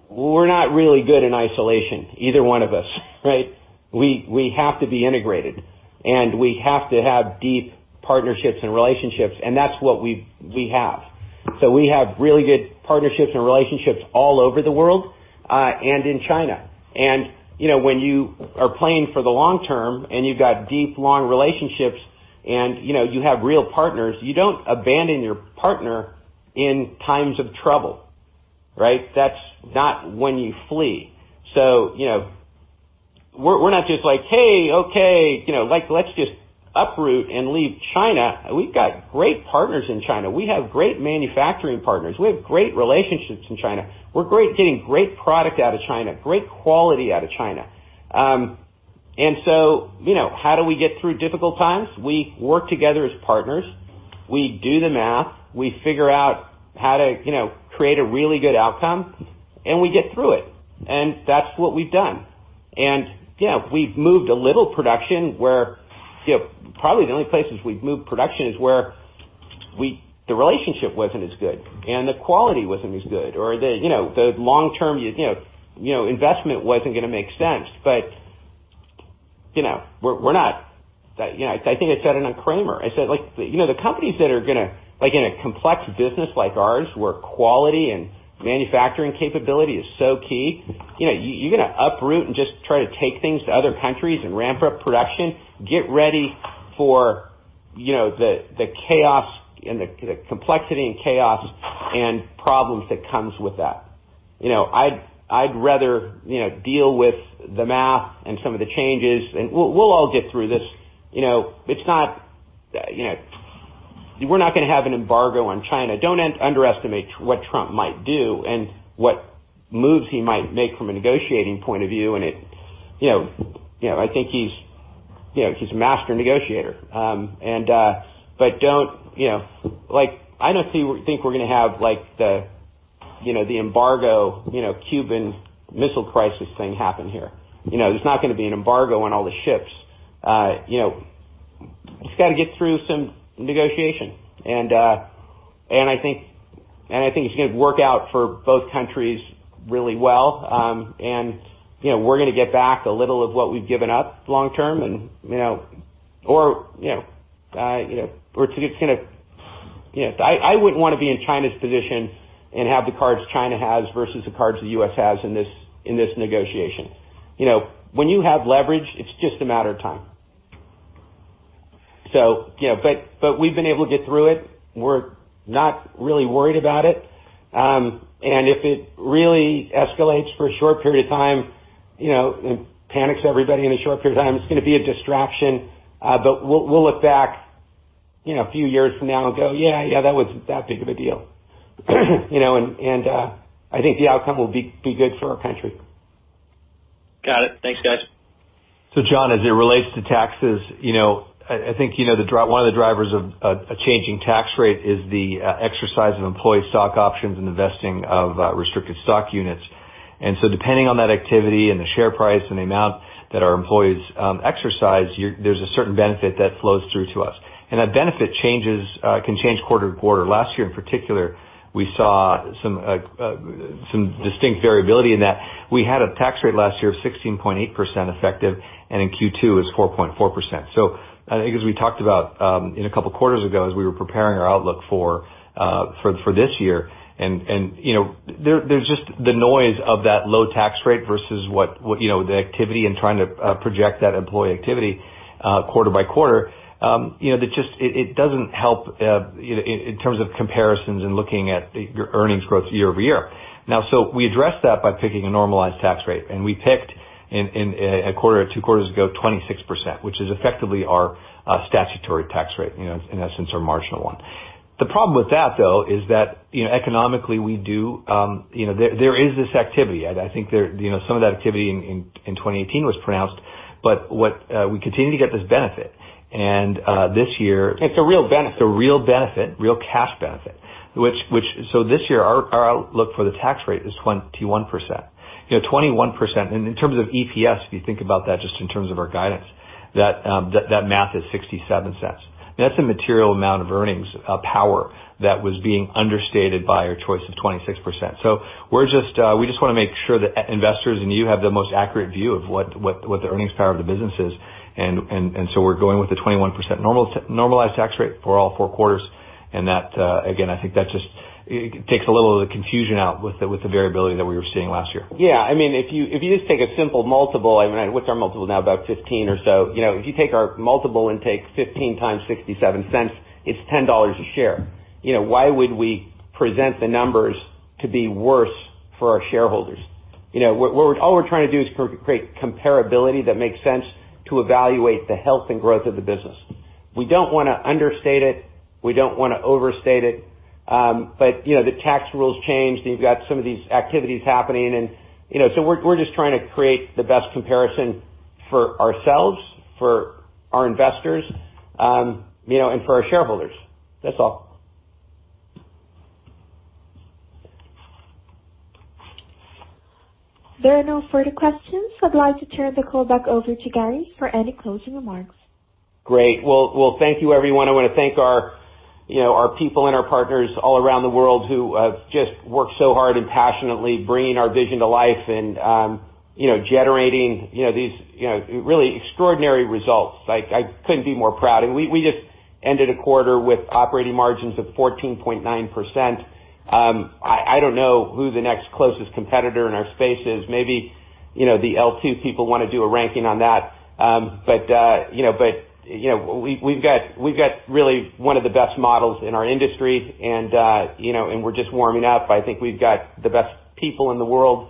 We're not really good in isolation, either one of us, right? We have to be integrated, and we have to have deep partnerships and relationships, and that's what we have. We have really good partnerships and relationships all over the world, and in China. When you are playing for the long term and you've got deep, long relationships and you have real partners, you don't abandon your partner in times of trouble, right? That's not when you flee. We're not just like, hey, okay, let's just uproot and leave China. We've got great partners in China. We have great manufacturing partners. We have great relationships in China. We're getting great product out of China, great quality out of China. How do we get through difficult times? We work together as partners. We do the math. We figure out how to create a really good outcome, and we get through it. That's what we've done. We've moved a little production where probably the only places we've moved production is where the relationship wasn't as good and the quality wasn't as good, or the long-term investment wasn't going to make sense. I think I said it on Cramer. I said the companies that are going to in a complex business like ours, where quality and manufacturing capability is so key, you're going to uproot and just try to take things to other countries and ramp up production? Get ready for the complexity and chaos and problems that comes with that. I'd rather deal with the math and some of the changes, we'll all get through this. We're not going to have an embargo on China. Don't underestimate what Trump might do and what moves he might make from a negotiating point of view. I think he's a master negotiator. I don't think we're going to have the embargo, Cuban Missile Crisis thing happen here. There's not going to be an embargo on all the ships. Just got to get through some negotiation. I think it's going to work out for both countries really well. We're going to get back a little of what we've given up long term. I wouldn't want to be in China's position and have the cards China has versus the cards the U.S. has in this negotiation. When you have leverage, it's just a matter of time. We've been able to get through it. We're not really worried about it. If it really escalates for a short period of time, and panics everybody in a short period of time, it's going to be a distraction. We'll look back a few years from now and go, "Yeah, that wasn't that big of a deal." I think the outcome will be good for our country. Got it. Thanks, guys. John, as it relates to taxes, I think one of the drivers of a changing tax rate is the exercise of employee stock options and the vesting of restricted stock units. Depending on that activity and the share price and the amount that our employees exercise, there's a certain benefit that flows through to us. That benefit can change quarter to quarter. Last year in particular, we saw some distinct variability in that. We had a tax rate last year of 16.8% effective, and in Q2 it was 4.4%. I think as we talked about in a couple of quarters ago, as we were preparing our outlook for this year, and there's just the noise of that low tax rate versus the activity and trying to project that employee activity quarter by quarter. It doesn't help in terms of comparisons and looking at your earnings growth year-over-year. Now, we addressed that by picking a normalized tax rate, and we picked a quarter or two quarters ago, 26%, which is effectively our statutory tax rate. In essence, our marginal one. The problem with that, though, is that economically there is this activity. I think some of that activity in 2018 was pronounced, but we continue to get this benefit. This year. It's a real benefit. It's a real benefit, real cash benefit. This year, our outlook for the tax rate is 21%. In terms of EPS, if you think about that just in terms of our guidance, that math is $0.67. That's a material amount of earnings power that was being understated by our choice of 26%. We just want to make sure that investors and you have the most accurate view of what the earnings power of the business is. We're going with the 21% normalized tax rate for all four quarters. That again, I think that just takes a little of the confusion out with the variability that we were seeing last year. Yeah. If you just take a simple multiple, what's our multiple now? About 15 or so. If you take our multiple and take 15 times $0.67, it's $10 a share. Why would we present the numbers to be worse for our shareholders? All we're trying to do is create comparability that makes sense to evaluate the health and growth of the business. We don't want to understate it. We don't want to overstate it. The tax rules change, and you've got some of these activities happening, and so we're just trying to create the best comparison for ourselves, for our investors, and for our shareholders. That's all. There are no further questions. I'd like to turn the call back over to Gary for any closing remarks. Great. Well, thank you everyone. I want to thank our people and our partners all around the world who have just worked so hard and passionately bringing our vision to life and generating these really extraordinary results. I couldn't be more proud. We just ended a quarter with operating margins of 14.9%. I don't know who the next closest competitor in our space is. Maybe the L2 people want to do a ranking on that. We've got really one of the best models in our industry, and we're just warming up. I think we've got the best people in the world,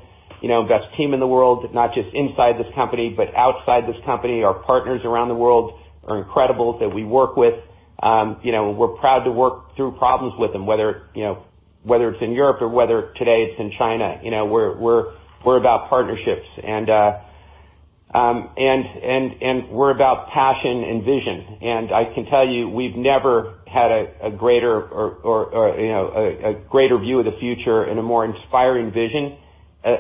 best team in the world. Not just inside this company, but outside this company. Our partners around the world are incredible, that we work with. We're proud to work through problems with them, whether it's in Europe or whether today it's in China. We're about partnerships and we're about passion and vision. I can tell you, we've never had a greater view of the future and a more inspiring vision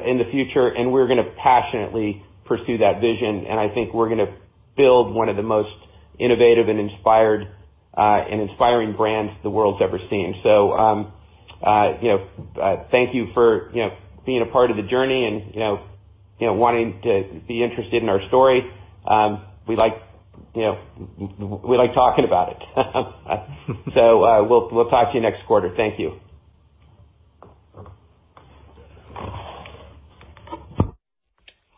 in the future. We're going to passionately pursue that vision. I think we're going to build one of the most innovative and inspiring brands the world's ever seen. Thank you for being a part of the journey and wanting to be interested in our story. We like talking about it. We'll talk to you next quarter. Thank you.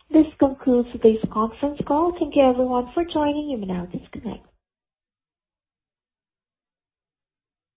This concludes today's conference call. Thank you everyone for joining. You may now disconnect.